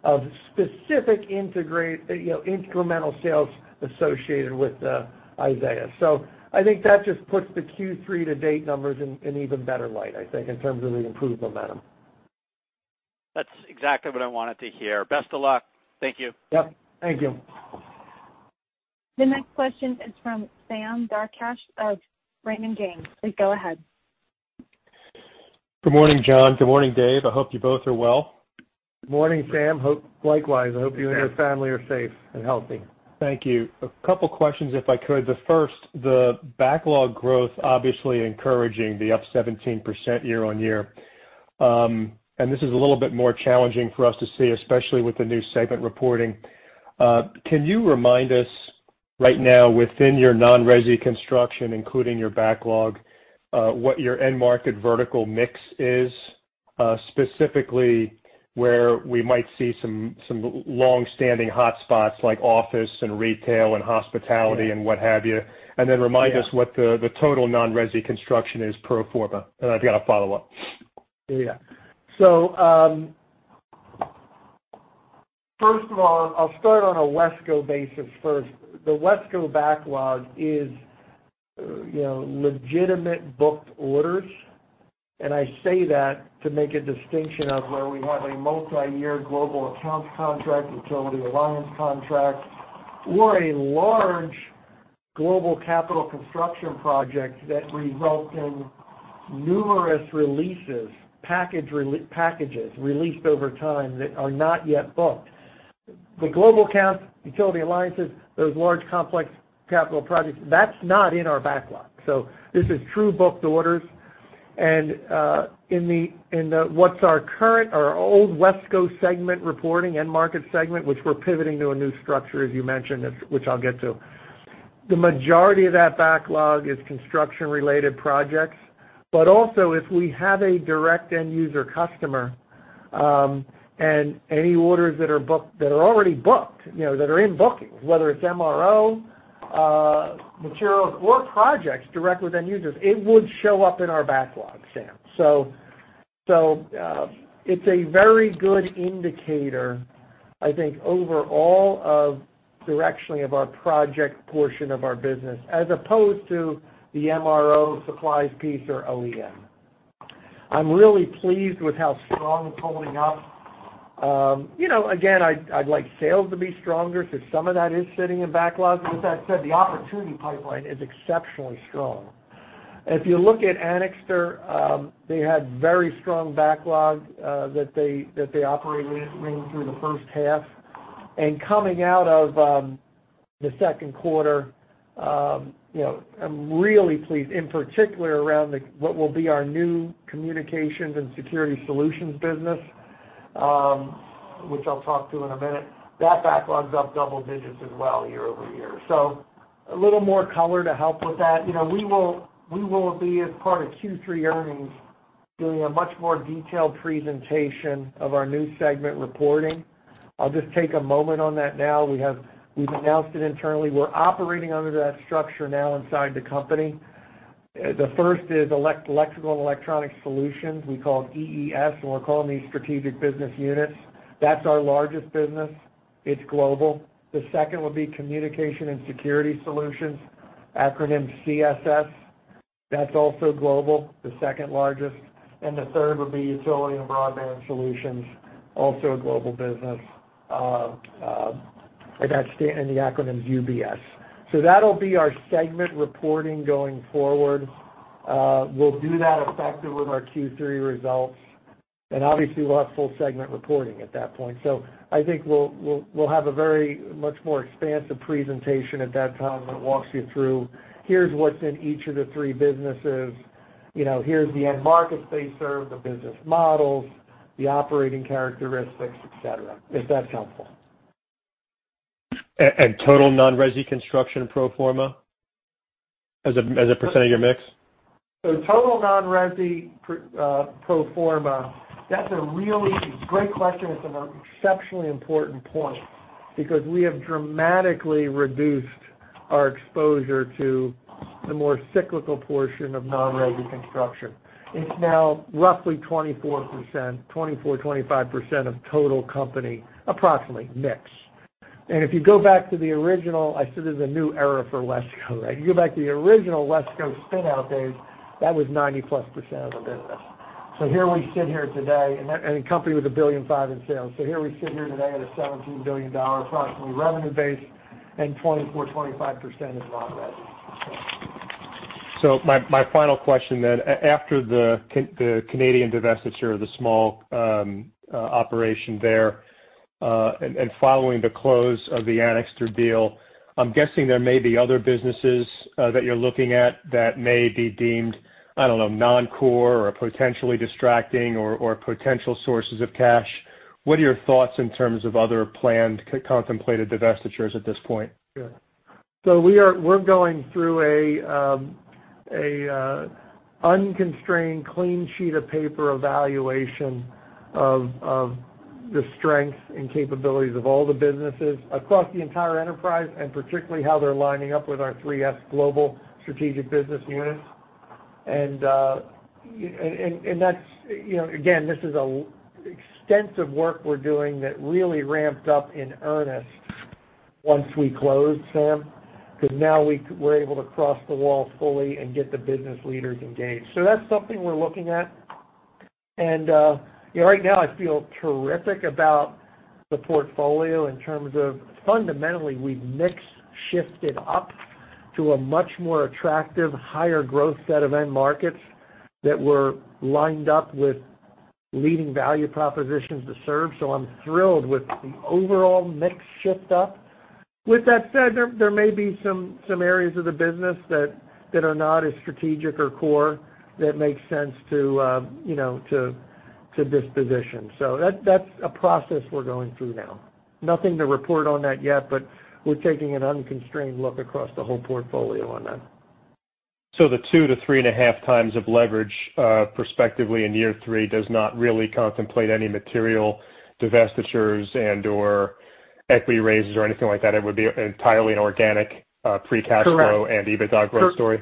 of specific incremental sales associated with Isaias. I think that just puts the Q3 to date numbers in even better light, I think, in terms of the improved momentum. That's exactly what I wanted to hear. Best of luck. Thank you. Yep. Thank you. The next question is from Sam Darkatsh of Raymond James. Please go ahead. Good morning, John. Good morning, Dave. I hope you both are well. Morning, Sam. Likewise, I hope you and your family are safe and healthy. Thank you. A couple questions, if I could. The first, the backlog growth obviously encouraging, the up 17% year-over-year. This is a little bit more challenging for us to see, especially with the new segment reporting. Can you remind us right now within your non-resi construction, including your backlog, what your end market vertical mix is, specifically where we might see some longstanding hotspots like office and retail and hospitality and what have you? Remind us what the total non-resi construction is pro forma. I've got a follow-up. First of all, I'll start on a WESCO basis first. The WESCO backlog is legitimate booked orders, and I say that to make a distinction of where we have a multi-year global accounts contract, utility alliance contract, or a large global capital construction projects that result in numerous releases, packages released over time that are not yet booked. The global accounts, utility alliances, those large complex capital projects, that's not in our backlog. This is true booked orders and in what's our current or old WESCO segment reporting end market segment, which we're pivoting to a new structure, as you mentioned, which I'll get to. The majority of that backlog is construction-related projects, but also if we have a direct end user customer, and any orders that are already booked, that are in bookings, whether it's MRO, materials or projects direct with end users, it would show up in our backlog, Sam. It's a very good indicator, I think overall of directionally of our project portion of our business, as opposed to the MRO supplies piece or OEM. I'm really pleased with how strong it's holding up. Again, I'd like sales to be stronger, so some of that is sitting in backlogs. With that said, the opportunity pipeline is exceptionally strong. If you look at Anixter, they had very strong backlog that they operated and went through the first half. Coming out of the second quarter, I'm really pleased in particular around what will be our new Communications and Security Solutions business, which I'll talk to in a minute. That backlog's up double digits as well year-over-year. A little more color to help with that. We will be as part of Q3 earnings, doing a much more detailed presentation of our new segment reporting. I'll just take a moment on that now. We've announced it internally. We're operating under that structure now inside the company. The first is Electrical & Electronic Solutions. We call it EES, and we're calling these strategic business units. That's our largest business. It's global. The second will be Communications and Security Solutions, acronym CSS. That's also global, the second largest. The third will be Utility and Broadband Solutions, also a global business. The acronym's UBS. That'll be our segment reporting going forward. We'll do that effective with our Q3 results. Obviously, we'll have full segment reporting at that point. I think we'll have a very much more expansive presentation at that time that walks you through, here's what's in each of the three businesses. Here's the end markets they serve, the business models, the operating characteristics, et cetera. If that's helpful. Total non-resi construction pro forma as a percent of your mix? Total non-resi pro forma, that's a really great question. It's an exceptionally important point because we have dramatically reduced our exposure to the more cyclical portion of non-resi construction. It's now roughly 24%, 25% of total company, approximately mix. If you go back to the original, I said this is a new era for WESCO, right? You go back to the original WESCO spin-out days, that was 90%-plus of the business. Here we sit here today, and a company with $1.5 billion in sales. Here we sit here today at a $17 billion approximately revenue base and 24%, 25% is non-resi. My final question then. After the Canadian divestiture, the small operation there, and following the close of the Anixter deal, I'm guessing there may be other businesses that you're looking at that may be deemed, I don't know, non-core or potentially distracting or potential sources of cash. What are your thoughts in terms of other planned contemplated divestitures at this point? We're going through a unconstrained clean sheet of paper evaluation of the strengths and capabilities of all the businesses across the entire enterprise, and particularly how they're lining up with our three S global Strategic Business Units. Again, this is extensive work we're doing that really ramped up in earnest once we closed, Sam, because now we're able to cross the wall fully and get the business leaders engaged. That's something we're looking at. Right now, I feel terrific about the portfolio in terms of fundamentally we've mix shifted up to a much more attractive, higher growth set of end markets that were lined up with leading value propositions to serve. I'm thrilled with the overall mix shift up. With that said, there may be some areas of the business that are not as strategic or core that makes sense to disposition. That's a process we're going through now. Nothing to report on that yet, but we're taking an unconstrained look across the whole portfolio on that. The two to 3.5x of leverage, perspectively in year three does not really contemplate any material divestitures and/or equity raises or anything like that. It would be entirely an organic, free cash flow. Correct EBITDA growth story?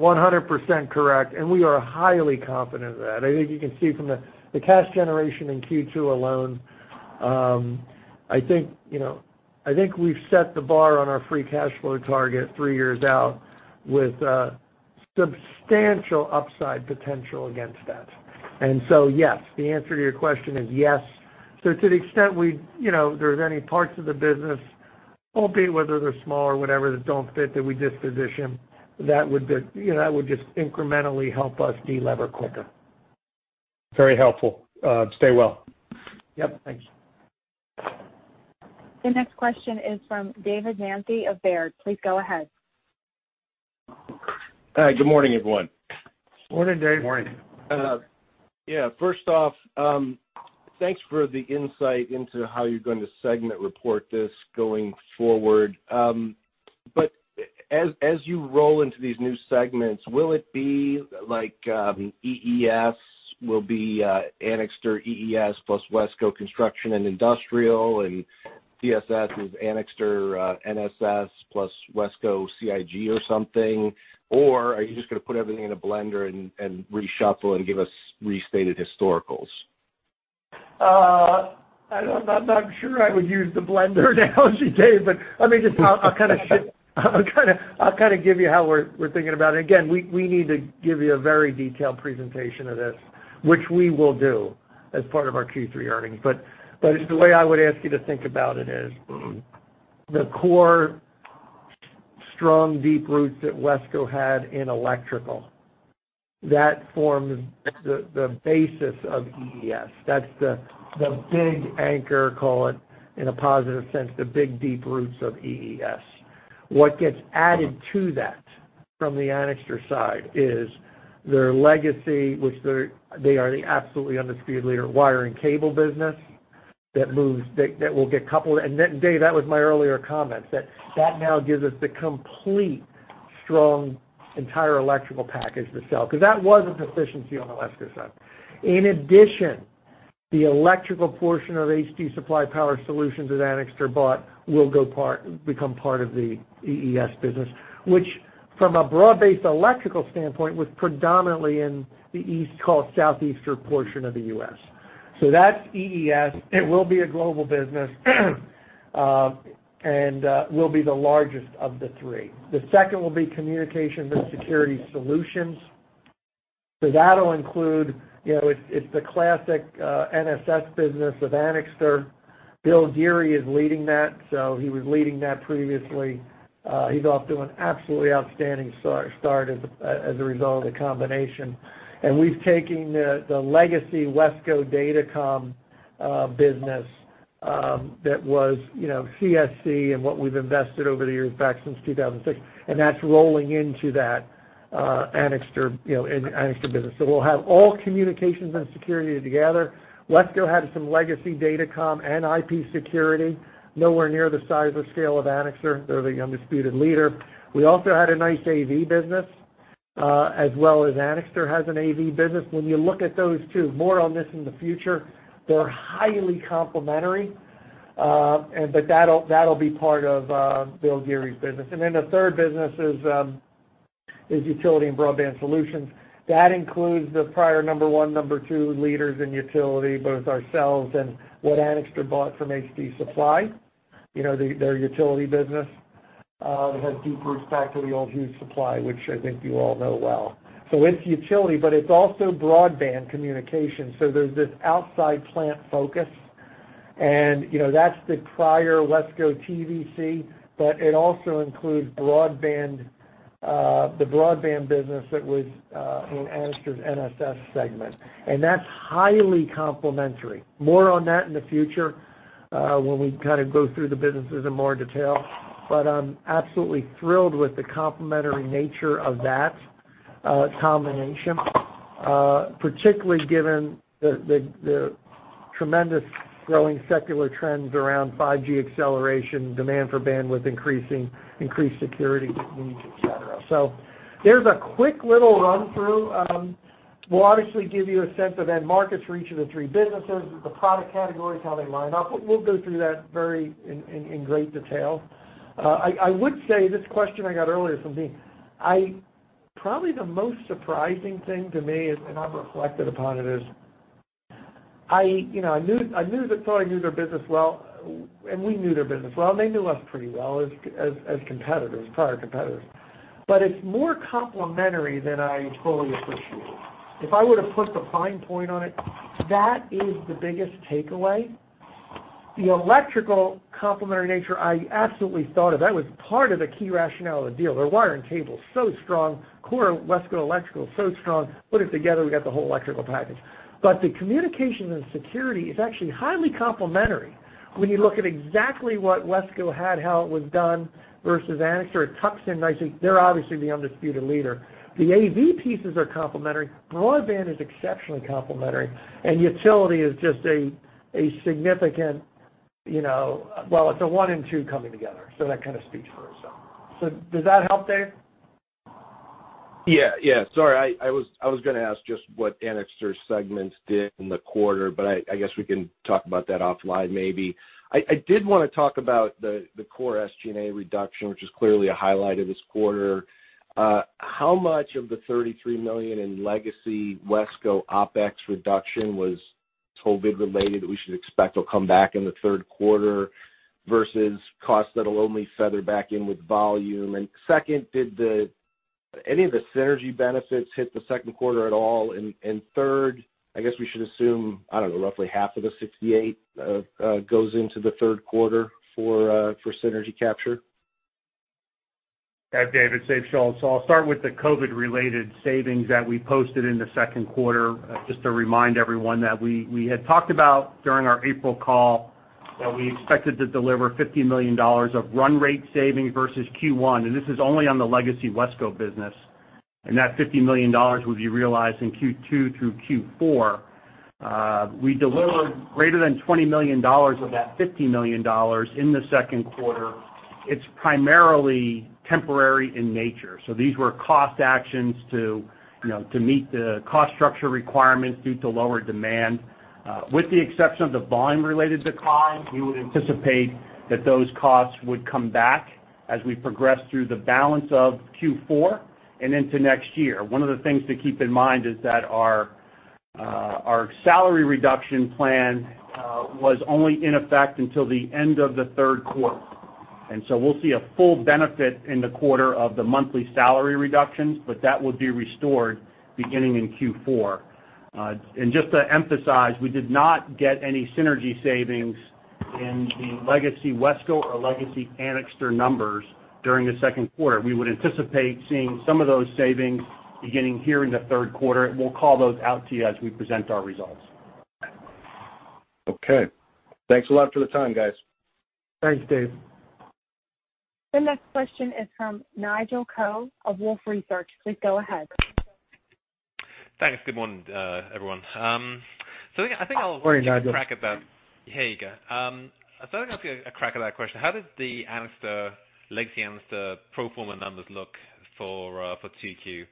100% correct. We are highly confident of that. I think you can see from the cash generation in Q2 alone, I think we've set the bar on our free cash flow target three years out with a substantial upside potential against that. Yes, the answer to your question is yes. To the extent there's any parts of the business, albeit whether they're small or whatever, that don't fit, that we disposition, that would just incrementally help us de-lever quicker. Very helpful. Stay well. Yep. Thanks. The next question is from David Manthey of Baird. Please go ahead. Hi. Good morning, everyone. Morning, Dave. Morning. First off, thanks for the insight into how you're going to segment report this going forward. As you roll into these new segments, will it be like EES will be Anixter EES plus WESCO Construction and Industrial, and CSS is Anixter NSS plus WESCO CIG or something? Are you just going to put everything in a blender and reshuffle and give us restated historicals? I'm not sure I would use the blender analogy, Dave, I'll kind of give you how we're thinking about it. Again, we need to give you a very detailed presentation of this, which we will do as part of our Q3 earnings. Just the way I would ask you to think about it is, the core strong deep roots that WESCO had in electrical, that forms the basis of EES. That's the big anchor, call it in a positive sense, the big deep roots of EES. What gets added to that from the Anixter side is their legacy, which they are the absolutely undisputed leader wire and cable business that will get coupled. Dave, that was my earlier comment, that that now gives us the complete strong entire electrical package to sell. That was a deficiency on the WESCO side. In addition, the electrical portion of HD Supply Power Solutions that Anixter bought will become part of the EES business, which from a broad-based electrical standpoint, was predominantly in the east southeastern portion of the U.S. That's EES. It will be a global business, and will be the largest of the three. The second will be Communications and Security Solutions. That'll include, it's the classic NSS business of Anixter. William Geary is leading that, so he was leading that previously. He's off to an absolutely outstanding start as a result of the combination. We've taken the legacy WESCO Datacom business, that was CSC and what we've invested over the years back since 2006, and that's rolling into that Anixter business. We'll have all communications and security together. WESCO had some legacy Datacom and IP security. Nowhere near the size or scale of Anixter. They're the undisputed leader. We also had a nice AV business, as well as Anixter has an AV business. You look at those two, more on this in the future, they're highly complementary. That'll be part of William Geary's business. The third business is Utility and Broadband Solutions. That includes the prior number one, number two leaders in utility, both ourselves and what Anixter bought from HD Supply. Their utility business. It has deep roots back to the old Hughes Supply, which I think you all know well. It's utility, but it's also broadband communication. There's this outside plant focus, and that's the prior WESCO TVC, but it also includes the broadband business that was in Anixter's NSS segment. That's highly complementary. More on that in the future, when we kind of go through the businesses in more detail. I'm absolutely thrilled with the complementary nature of that combination, particularly given the tremendous growing secular trends around 5G acceleration, demand for bandwidth increasing, increased security needs, et cetera. There's a quick little run through. We'll obviously give you a sense of end markets for each of the three businesses, the product categories, how they line up. We'll go through that in great detail. I would say, this question I got earlier from Deane. Probably the most surprising thing to me is, and I've reflected upon it, is I thought I knew their business well, and we knew their business well, and they knew us pretty well as competitors, prior competitors. It's more complementary than I fully appreciated. If I were to put the fine point on it, that is the biggest takeaway. The electrical complementary nature, I absolutely thought of. That was part of the key rationale of the deal. Their wire and cable is so strong. Core WESCO electrical is so strong. Put it together, we got the whole electrical package. The Communications and Security is actually highly complementary when you look at exactly what WESCO had, how it was done versus Anixter. It tucks in nicely. They're obviously the undisputed leader. The AV pieces are complementary. Broadband is exceptionally complementary. Utility is just a significant, well, it's a one and two coming together, that kind of speaks for itself. Does that help, Dave? Sorry. I was going to ask just what Anixter's segments did in the quarter, but I guess we can talk about that offline maybe. I did want to talk about the core SG&A reduction, which is clearly a highlight of this quarter. How much of the $33 million in legacy WESCO OpEx reduction was COVID related that we should expect will come back in the third quarter versus costs that'll only feather back in with volume? Second, did any of the synergy benefits hit the second quarter at all? Third, I guess we should assume, I don't know, roughly half of the 68 goes into the third quarter for synergy capture. Yeah, David. It's Dave Schulz. I'll start with the COVID-related savings that we posted in the second quarter. Just to remind everyone that we had talked about, during our April call, that we expected to deliver $50 million of run rate savings versus Q1, and this is only on the legacy WESCO business. That $50 million would be realized in Q2 through Q4. We delivered greater than $20 million of that $50 million in the second quarter. It's primarily temporary in nature. These were cost actions to meet the cost structure requirements due to lower demand. With the exception of the volume related decline, we would anticipate that those costs would come back as we progress through the balance of Q4 and into next year. One of the things to keep in mind is that our salary reduction plan was only in effect until the end of the third quarter. We'll see a full benefit in the quarter of the monthly salary reductions, but that will be restored beginning in Q4. Just to emphasize, we did not get any synergy savings in the legacy WESCO or legacy Anixter numbers during the second quarter. We would anticipate seeing some of those savings beginning here in the third quarter. We'll call those out to you as we present our results. Okay. Thanks a lot for the time, guys. Thanks, Dave. The next question is from Nigel Coe of Wolfe Research. Please go ahead. Thanks. Good morning, everyone. Morning, Nigel. Have a crack at that. There you go. I'll have a crack at that question. How did the Anixter, legacy Anixter pro forma numbers look for 2Q?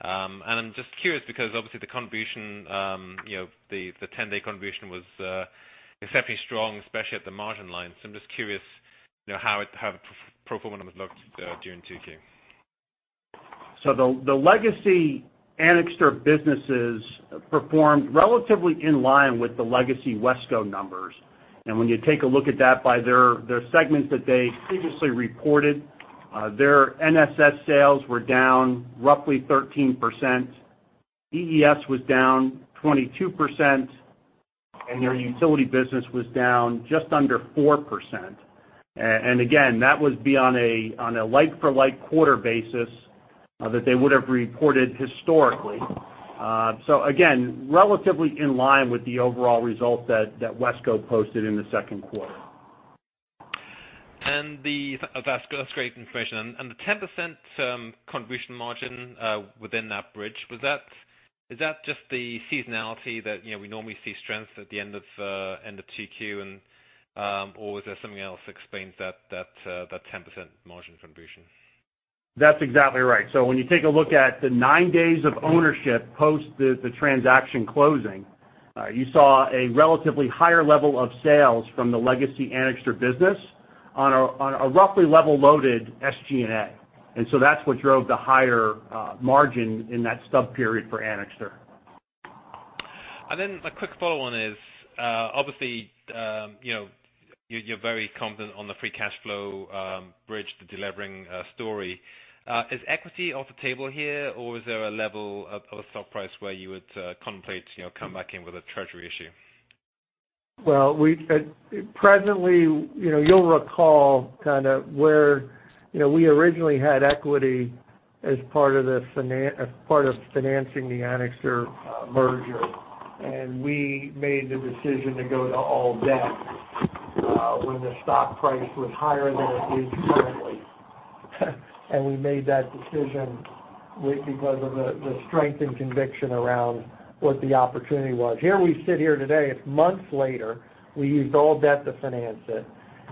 I'm just curious because obviously the contribution, the 10-day contribution was exceptionally strong, especially at the margin line. I'm just curious how the pro forma numbers looked during 2Q. The legacy Anixter businesses performed relatively in line with the legacy WESCO numbers. When you take a look at that by their segments that they previously reported, their NSS sales were down roughly 13%, EES was down 22%, and their utility business was down just under 4%. Again, that would be on a like for like quarter basis that they would've reported historically. Again, relatively in line with the overall result that WESCO posted in the second quarter. That's great information. The 10% contribution margin within that bridge, is that just the seasonality that we normally see strength at the end of Q2, and or is there something else explains that 10% margin contribution? That's exactly right. When you take a look at the nine days of ownership post the transaction closing, you saw a relatively higher level of sales from the legacy Anixter business on a roughly level loaded SG&A. That's what drove the higher margin in that sub-period for Anixter. A quick follow-on is, obviously, you're very confident on the free cash flow bridge, the delevering story. Is equity off the table here, or is there a level of a stock price where you would contemplate coming back in with a treasury issue? Well, presently, you'll recall kind of where we originally had equity as part of financing the Anixter merger. We made the decision to go to all debt when the stock price was higher than it is currently. We made that decision because of the strength and conviction around what the opportunity was. Here we sit here today, it is months later, we used all debt to finance it.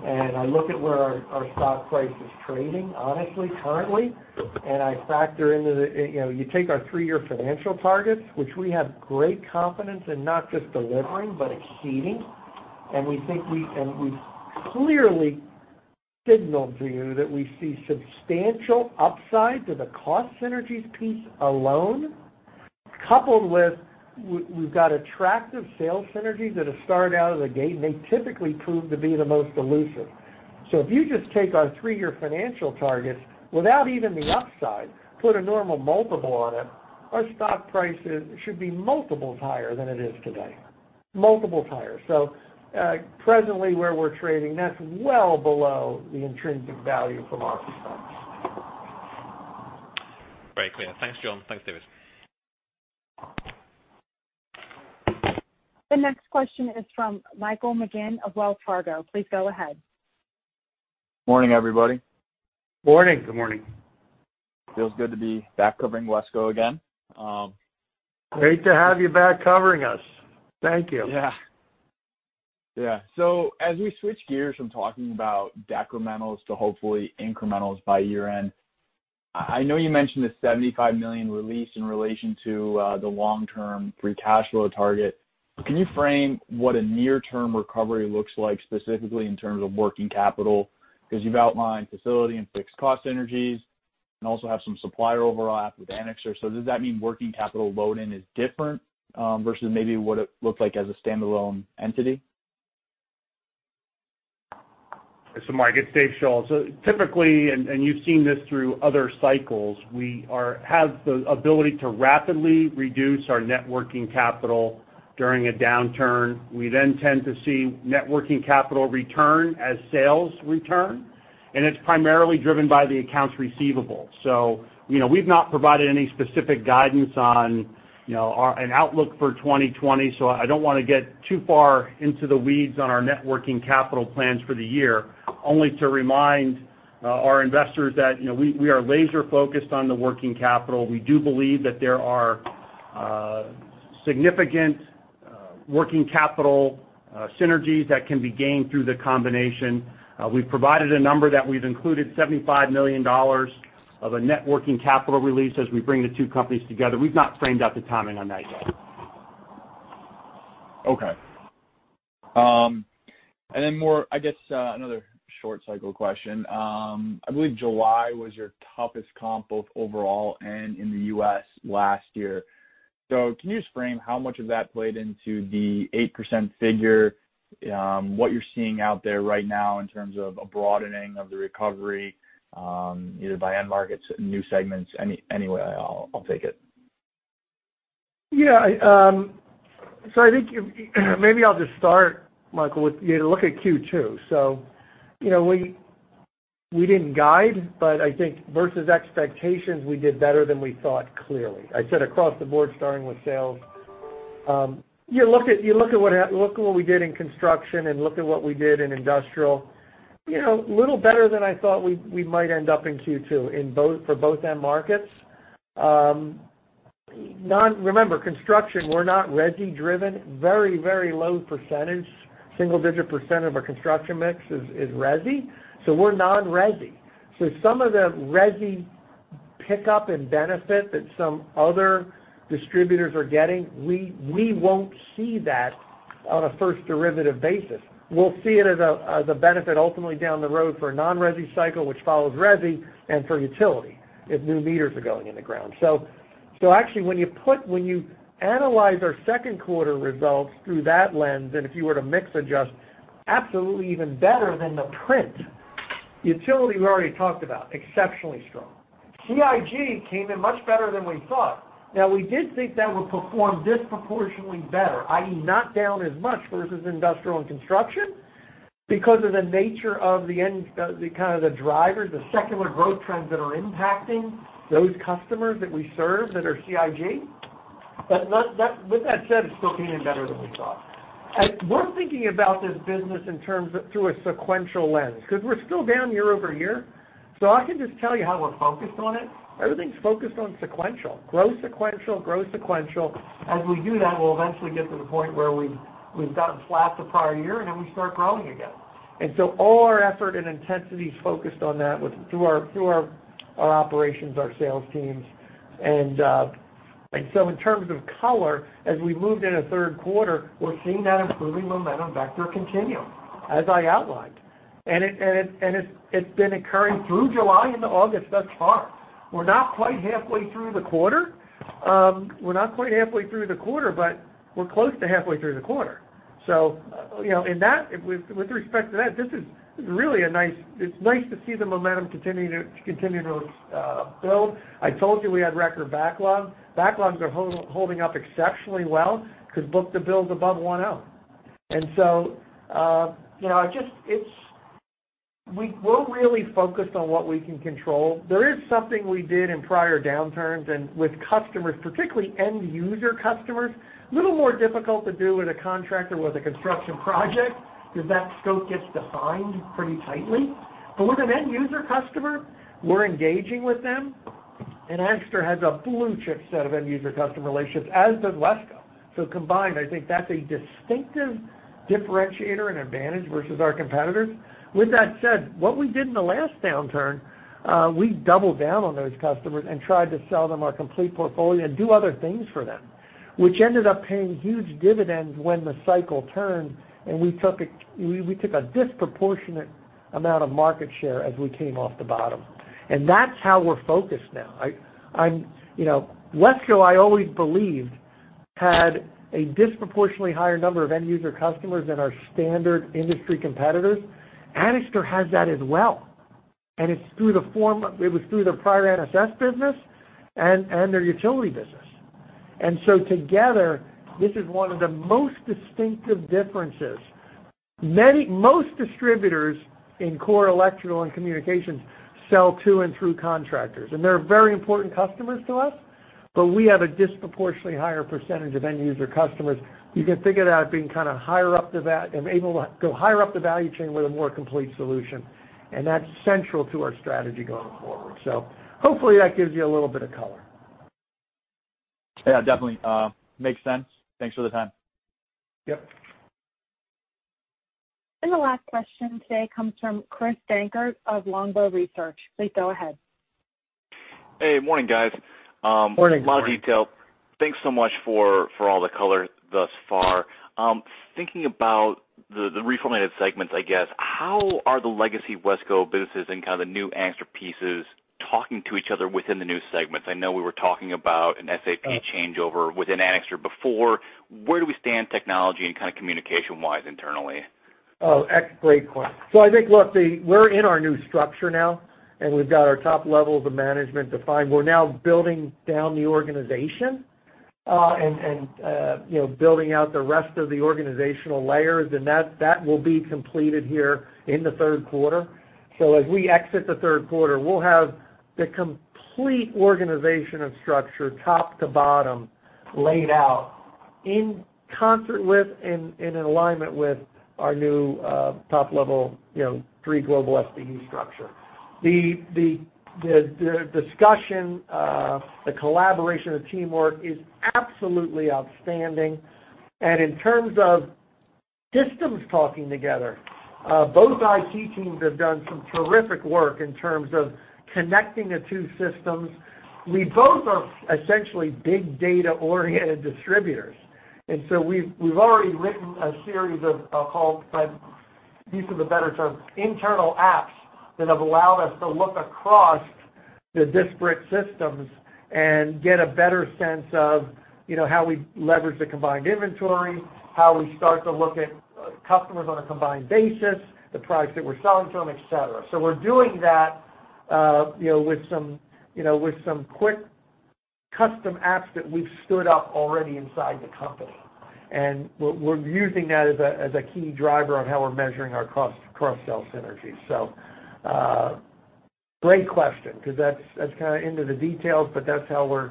I look at where our stock price is trading honestly, currently. You take our three-year financial targets, which we have great confidence in not just delivering, but exceeding. We've clearly signaled to you that we see substantial upside to the cost synergies piece alone, coupled with we've got attractive sales synergies that have started out of the gate, and they typically prove to be the most elusive. If you just take our three-year financial targets without even the upside, put a normal multiple on it, our stock price should be multiples higher than it is today. Multiples higher. Presently where we're trading, that's well below the intrinsic value from our perspective. Very clear. Thanks, John. Thanks, Dave. The next question is from Michael McGinn of Wells Fargo. Please go ahead. Morning, everybody. Morning. Good morning. Feels good to be back covering WESCO again. Great to have you back covering us. Thank you. Yeah. As we switch gears from talking about decrementals to hopefully incrementals by year-end, I know you mentioned the $75 million release in relation to the long-term free cash flow target. Can you frame what a near-term recovery looks like specifically in terms of working capital? You've outlined facility and fixed cost synergies and also have some supplier overlap with Anixter. Does that mean working capital load-in is different, versus maybe what it looks like as a standalone entity? This is Mike, it's Dave Schulz. Typically, and you've seen this through other cycles, we have the ability to rapidly reduce our net working capital during a downturn. We then tend to see net working capital return as sales return, and it's primarily driven by the accounts receivable. We've not provided any specific guidance on an outlook for 2020, so I don't want to get too far into the weeds on our net working capital plans for the year. Only to remind our investors that we are laser-focused on the working capital. We do believe that there are significant working capital synergies that can be gained through the combination. We've provided a number that we've included $75 million of a net working capital release as we bring the two companies together. We've not framed out the timing on that yet. Okay. More, I guess, another short cycle question. I believe July was your toughest comp both overall and in the U.S. last year. Can you just frame how much of that played into the 8% figure, what you're seeing out there right now in terms of a broadening of the recovery, either by end markets, new segments, any way at all, I'll take it. Yeah. I think maybe I'll just start, Michael, with look at Q2. We didn't guide, but I think versus expectations, we did better than we thought, clearly. I said across the board, starting with sales. You look at what we did in construction and look at what we did in industrial. Little better than I thought we might end up in Q2, for both end markets. Remember, construction, we're not resi-driven. Very low percentage, single-digit percent of our construction mix is resi. We're non-resi. Some of the resi pickup and benefit that some other distributors are getting, we won't see that on a first derivative basis. We'll see it as a benefit ultimately down the road for a non-resi cycle, which follows resi, and for utility, if new meters are going in the ground. Actually, when you analyze our second quarter results through that lens, and if you were to mix adjust, absolutely even better than the print. Utility, we already talked about, exceptionally strong. CIG came in much better than we thought. We did think that would perform disproportionately better, i.e., not down as much versus industrial and construction because of the nature of the kind of the drivers, the secular growth trends that are impacting those customers that we serve that are CIG. With that said, it still came in better than we thought. We're thinking about this business through a sequential lens, because we're still down year-over-year. I can just tell you how we're focused on it. Everything's focused on sequential. Grow sequential, grow sequential. As we do that, we'll eventually get to the point where we've gotten flat the prior year, then we start growing again. All our effort and intensity is focused on that through our operations, our sales teams. In terms of color, as we moved into third quarter, we're seeing that improving momentum vector continue, as I outlined. It's been occurring through July into August thus far. We're not quite halfway through the quarter, but we're close to halfway through the quarter. With respect to that, it's nice to see the momentum continuing to build. I told you we had record backlog. Backlogs are holding up exceptionally well because book-to-bill's above 1.0. We're really focused on what we can control. There is something we did in prior downturns and with customers, particularly end user customers, a little more difficult to do with a contractor with a construction project, because that scope gets defined pretty tightly. With an end user customer, we're engaging with them. Anixter has a blue chip set of end user customer relationships, as does WESCO. Combined, I think that's a distinctive differentiator and advantage versus our competitors. With that said, what we did in the last downturn, we doubled down on those customers and tried to sell them our complete portfolio and do other things for them, which ended up paying huge dividends when the cycle turned, and we took a disproportionate amount of market share as we came off the bottom. That's how we're focused now. WESCO, I always believed, had a disproportionately higher number of end user customers than our standard industry competitors. Anixter has that as well. It was through their prior NSS business and their utility business. Together, this is one of the most distinctive differences. Most distributors in core electrical and communications sell to and through contractors, and they're very important customers to us, but we have a disproportionately higher percentage of end user customers. You can figure that being kind of able to go higher up the value chain with a more complete solution. That's central to our strategy going forward. Hopefully, that gives you a little bit of color. Yeah, definitely. Makes sense. Thanks for the time. Yep. The last question today comes from Chris Dankert of Longbow Research. Please go ahead. Hey, morning, guys. Morning, Chris. Thanks so much for all the color thus far. Thinking about the reformulated segments, I guess, how are the legacy WESCO businesses and kind of the new Anixter pieces talking to each other within the new segments? I know we were talking about an SAP changeover within Anixter before. Where do we stand technology and kind of communication-wise internally? Oh, great point. I think, look, we're in our new structure now, and we've got our top levels of management defined. We're now building down the organization, and building out the rest of the organizational layers, and that will be completed here in the third quarter. As we exit the third quarter, we'll have the complete organization and structure, top to bottom, laid out in concert with and in alignment with our new top-level three global SBU structure. The discussion, the collaboration, the teamwork is absolutely outstanding. In terms of systems talking together, both IT teams have done some terrific work in terms of connecting the two systems. We both are essentially big data-oriented distributors. We've already written a series of, I'll call them, to use of a better term, internal apps that have allowed us to look across the disparate systems and get a better sense of how we leverage the combined inventory, how we start to look at customers on a combined basis, the price that we're selling from, et cetera. We're doing that with some quick custom apps that we've stood up already inside the company. We're using that as a key driver on how we're measuring our cross-sell synergies. Great question, because that's kind of into the details, but that's how we're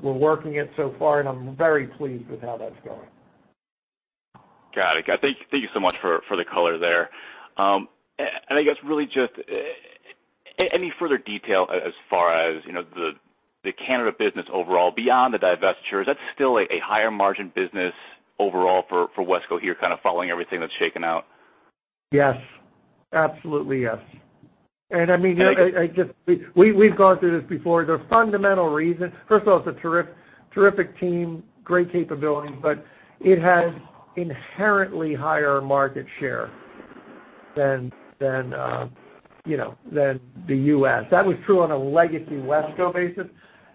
working it so far, and I'm very pleased with how that's going. Got it. Thank you so much for the color there. I guess really just any further detail as far as the Canada business overall, beyond the divestitures, that's still a higher margin business overall for WESCO here, kind of following everything that's shaken out? Yes. Absolutely, yes. I mean, we've gone through this before. The fundamental reason, first of all, it's a terrific team, great capabilities, but it has inherently higher market share than the U.S. That was true on a legacy WESCO basis.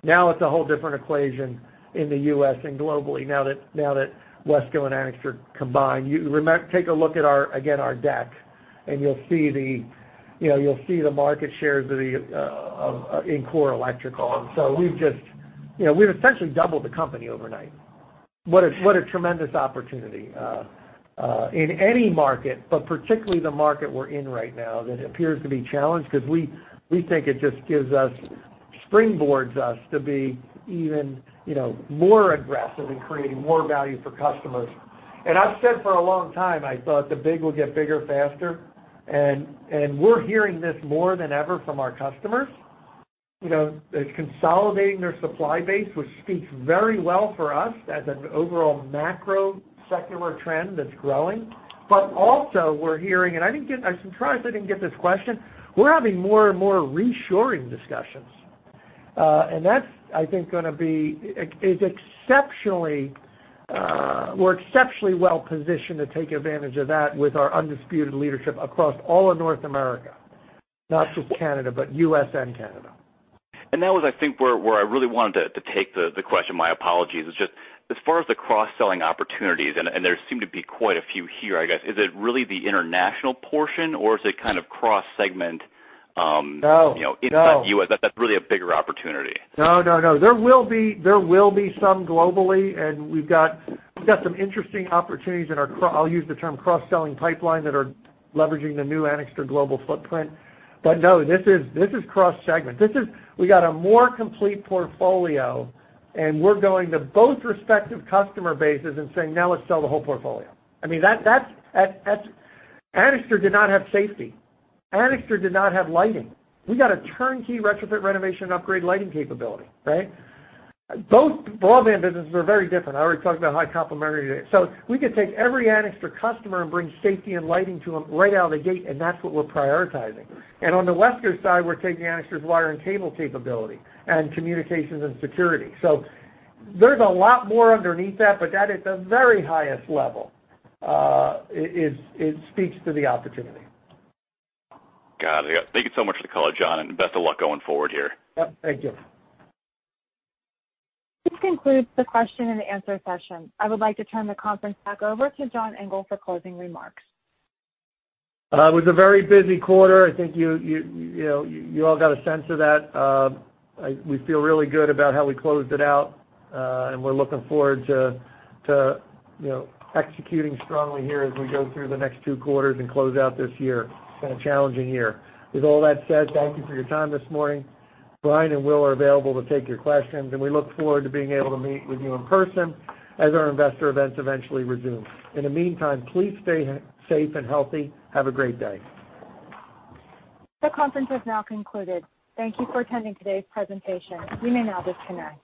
Now it's a whole different equation in the U.S. and globally now that WESCO and Anixter combine. Take a look at, again, our deck and you'll see the market shares in core electrical. We've essentially doubled the company overnight. What a tremendous opportunity in any market, but particularly the market we're in right now that appears to be challenged, because we think it just springboards us to be even more aggressive in creating more value for customers. I've said for a long time, I thought the big will get bigger faster, and we're hearing this more than ever from our customers. They're consolidating their supply base, which speaks very well for us as an overall macro secular trend that's growing. Also we're hearing, and I'm surprised I didn't get this question, we're having more and more reshoring discussions. That, I think, we're exceptionally well-positioned to take advantage of that with our undisputed leadership across all of North America. Not just Canada, but U.S. and Canada. That was, I think, where I really wanted to take the question. My apologies. It's just as far as the cross-selling opportunities, and there seem to be quite a few here, I guess, is it really the international portion, or is it kind of cross-segment-? No Inside U.S. that's really a bigger opportunity? No. There will be some globally, and we've got some interesting opportunities in our, I mean, I'll use the term cross-selling pipeline that are leveraging the new Anixter global footprint. No, this is cross-segment. We got a more complete portfolio and we're going to both respective customer bases and saying, "Now let's sell the whole portfolio." I mean, Anixter did not have safety. Anixter did not have lighting. We got a turnkey retrofit renovation upgrade lighting capability, right? Both broadband businesses are very different. I already talked about how complementary they are. We could take every Anixter customer and bring safety and lighting to them right out of the gate, and that's what we're prioritizing. On the WESCO side, we're taking Anixter's wire and cable capability and Communications and Security. There's a lot more underneath that, but that at the very highest level, it speaks to the opportunity. Got it. Thank you so much for the color, John, and best of luck going forward here. Yep, thank you. This concludes the question and answer session. I would like to turn the conference back over to John Engel for closing remarks. It was a very busy quarter. I think you all got a sense of that. We feel really good about how we closed it out, and we're looking forward to executing strongly here as we go through the next two quarters and close out this year. It's been a challenging year. With all that said, thank you for your time this morning. Brian and Will are available to take your questions, and we look forward to being able to meet with you in person as our investor events eventually resume. In the meantime, please stay safe and healthy. Have a great day. The conference has now concluded. Thank you for attending today's presentation. You may now disconnect.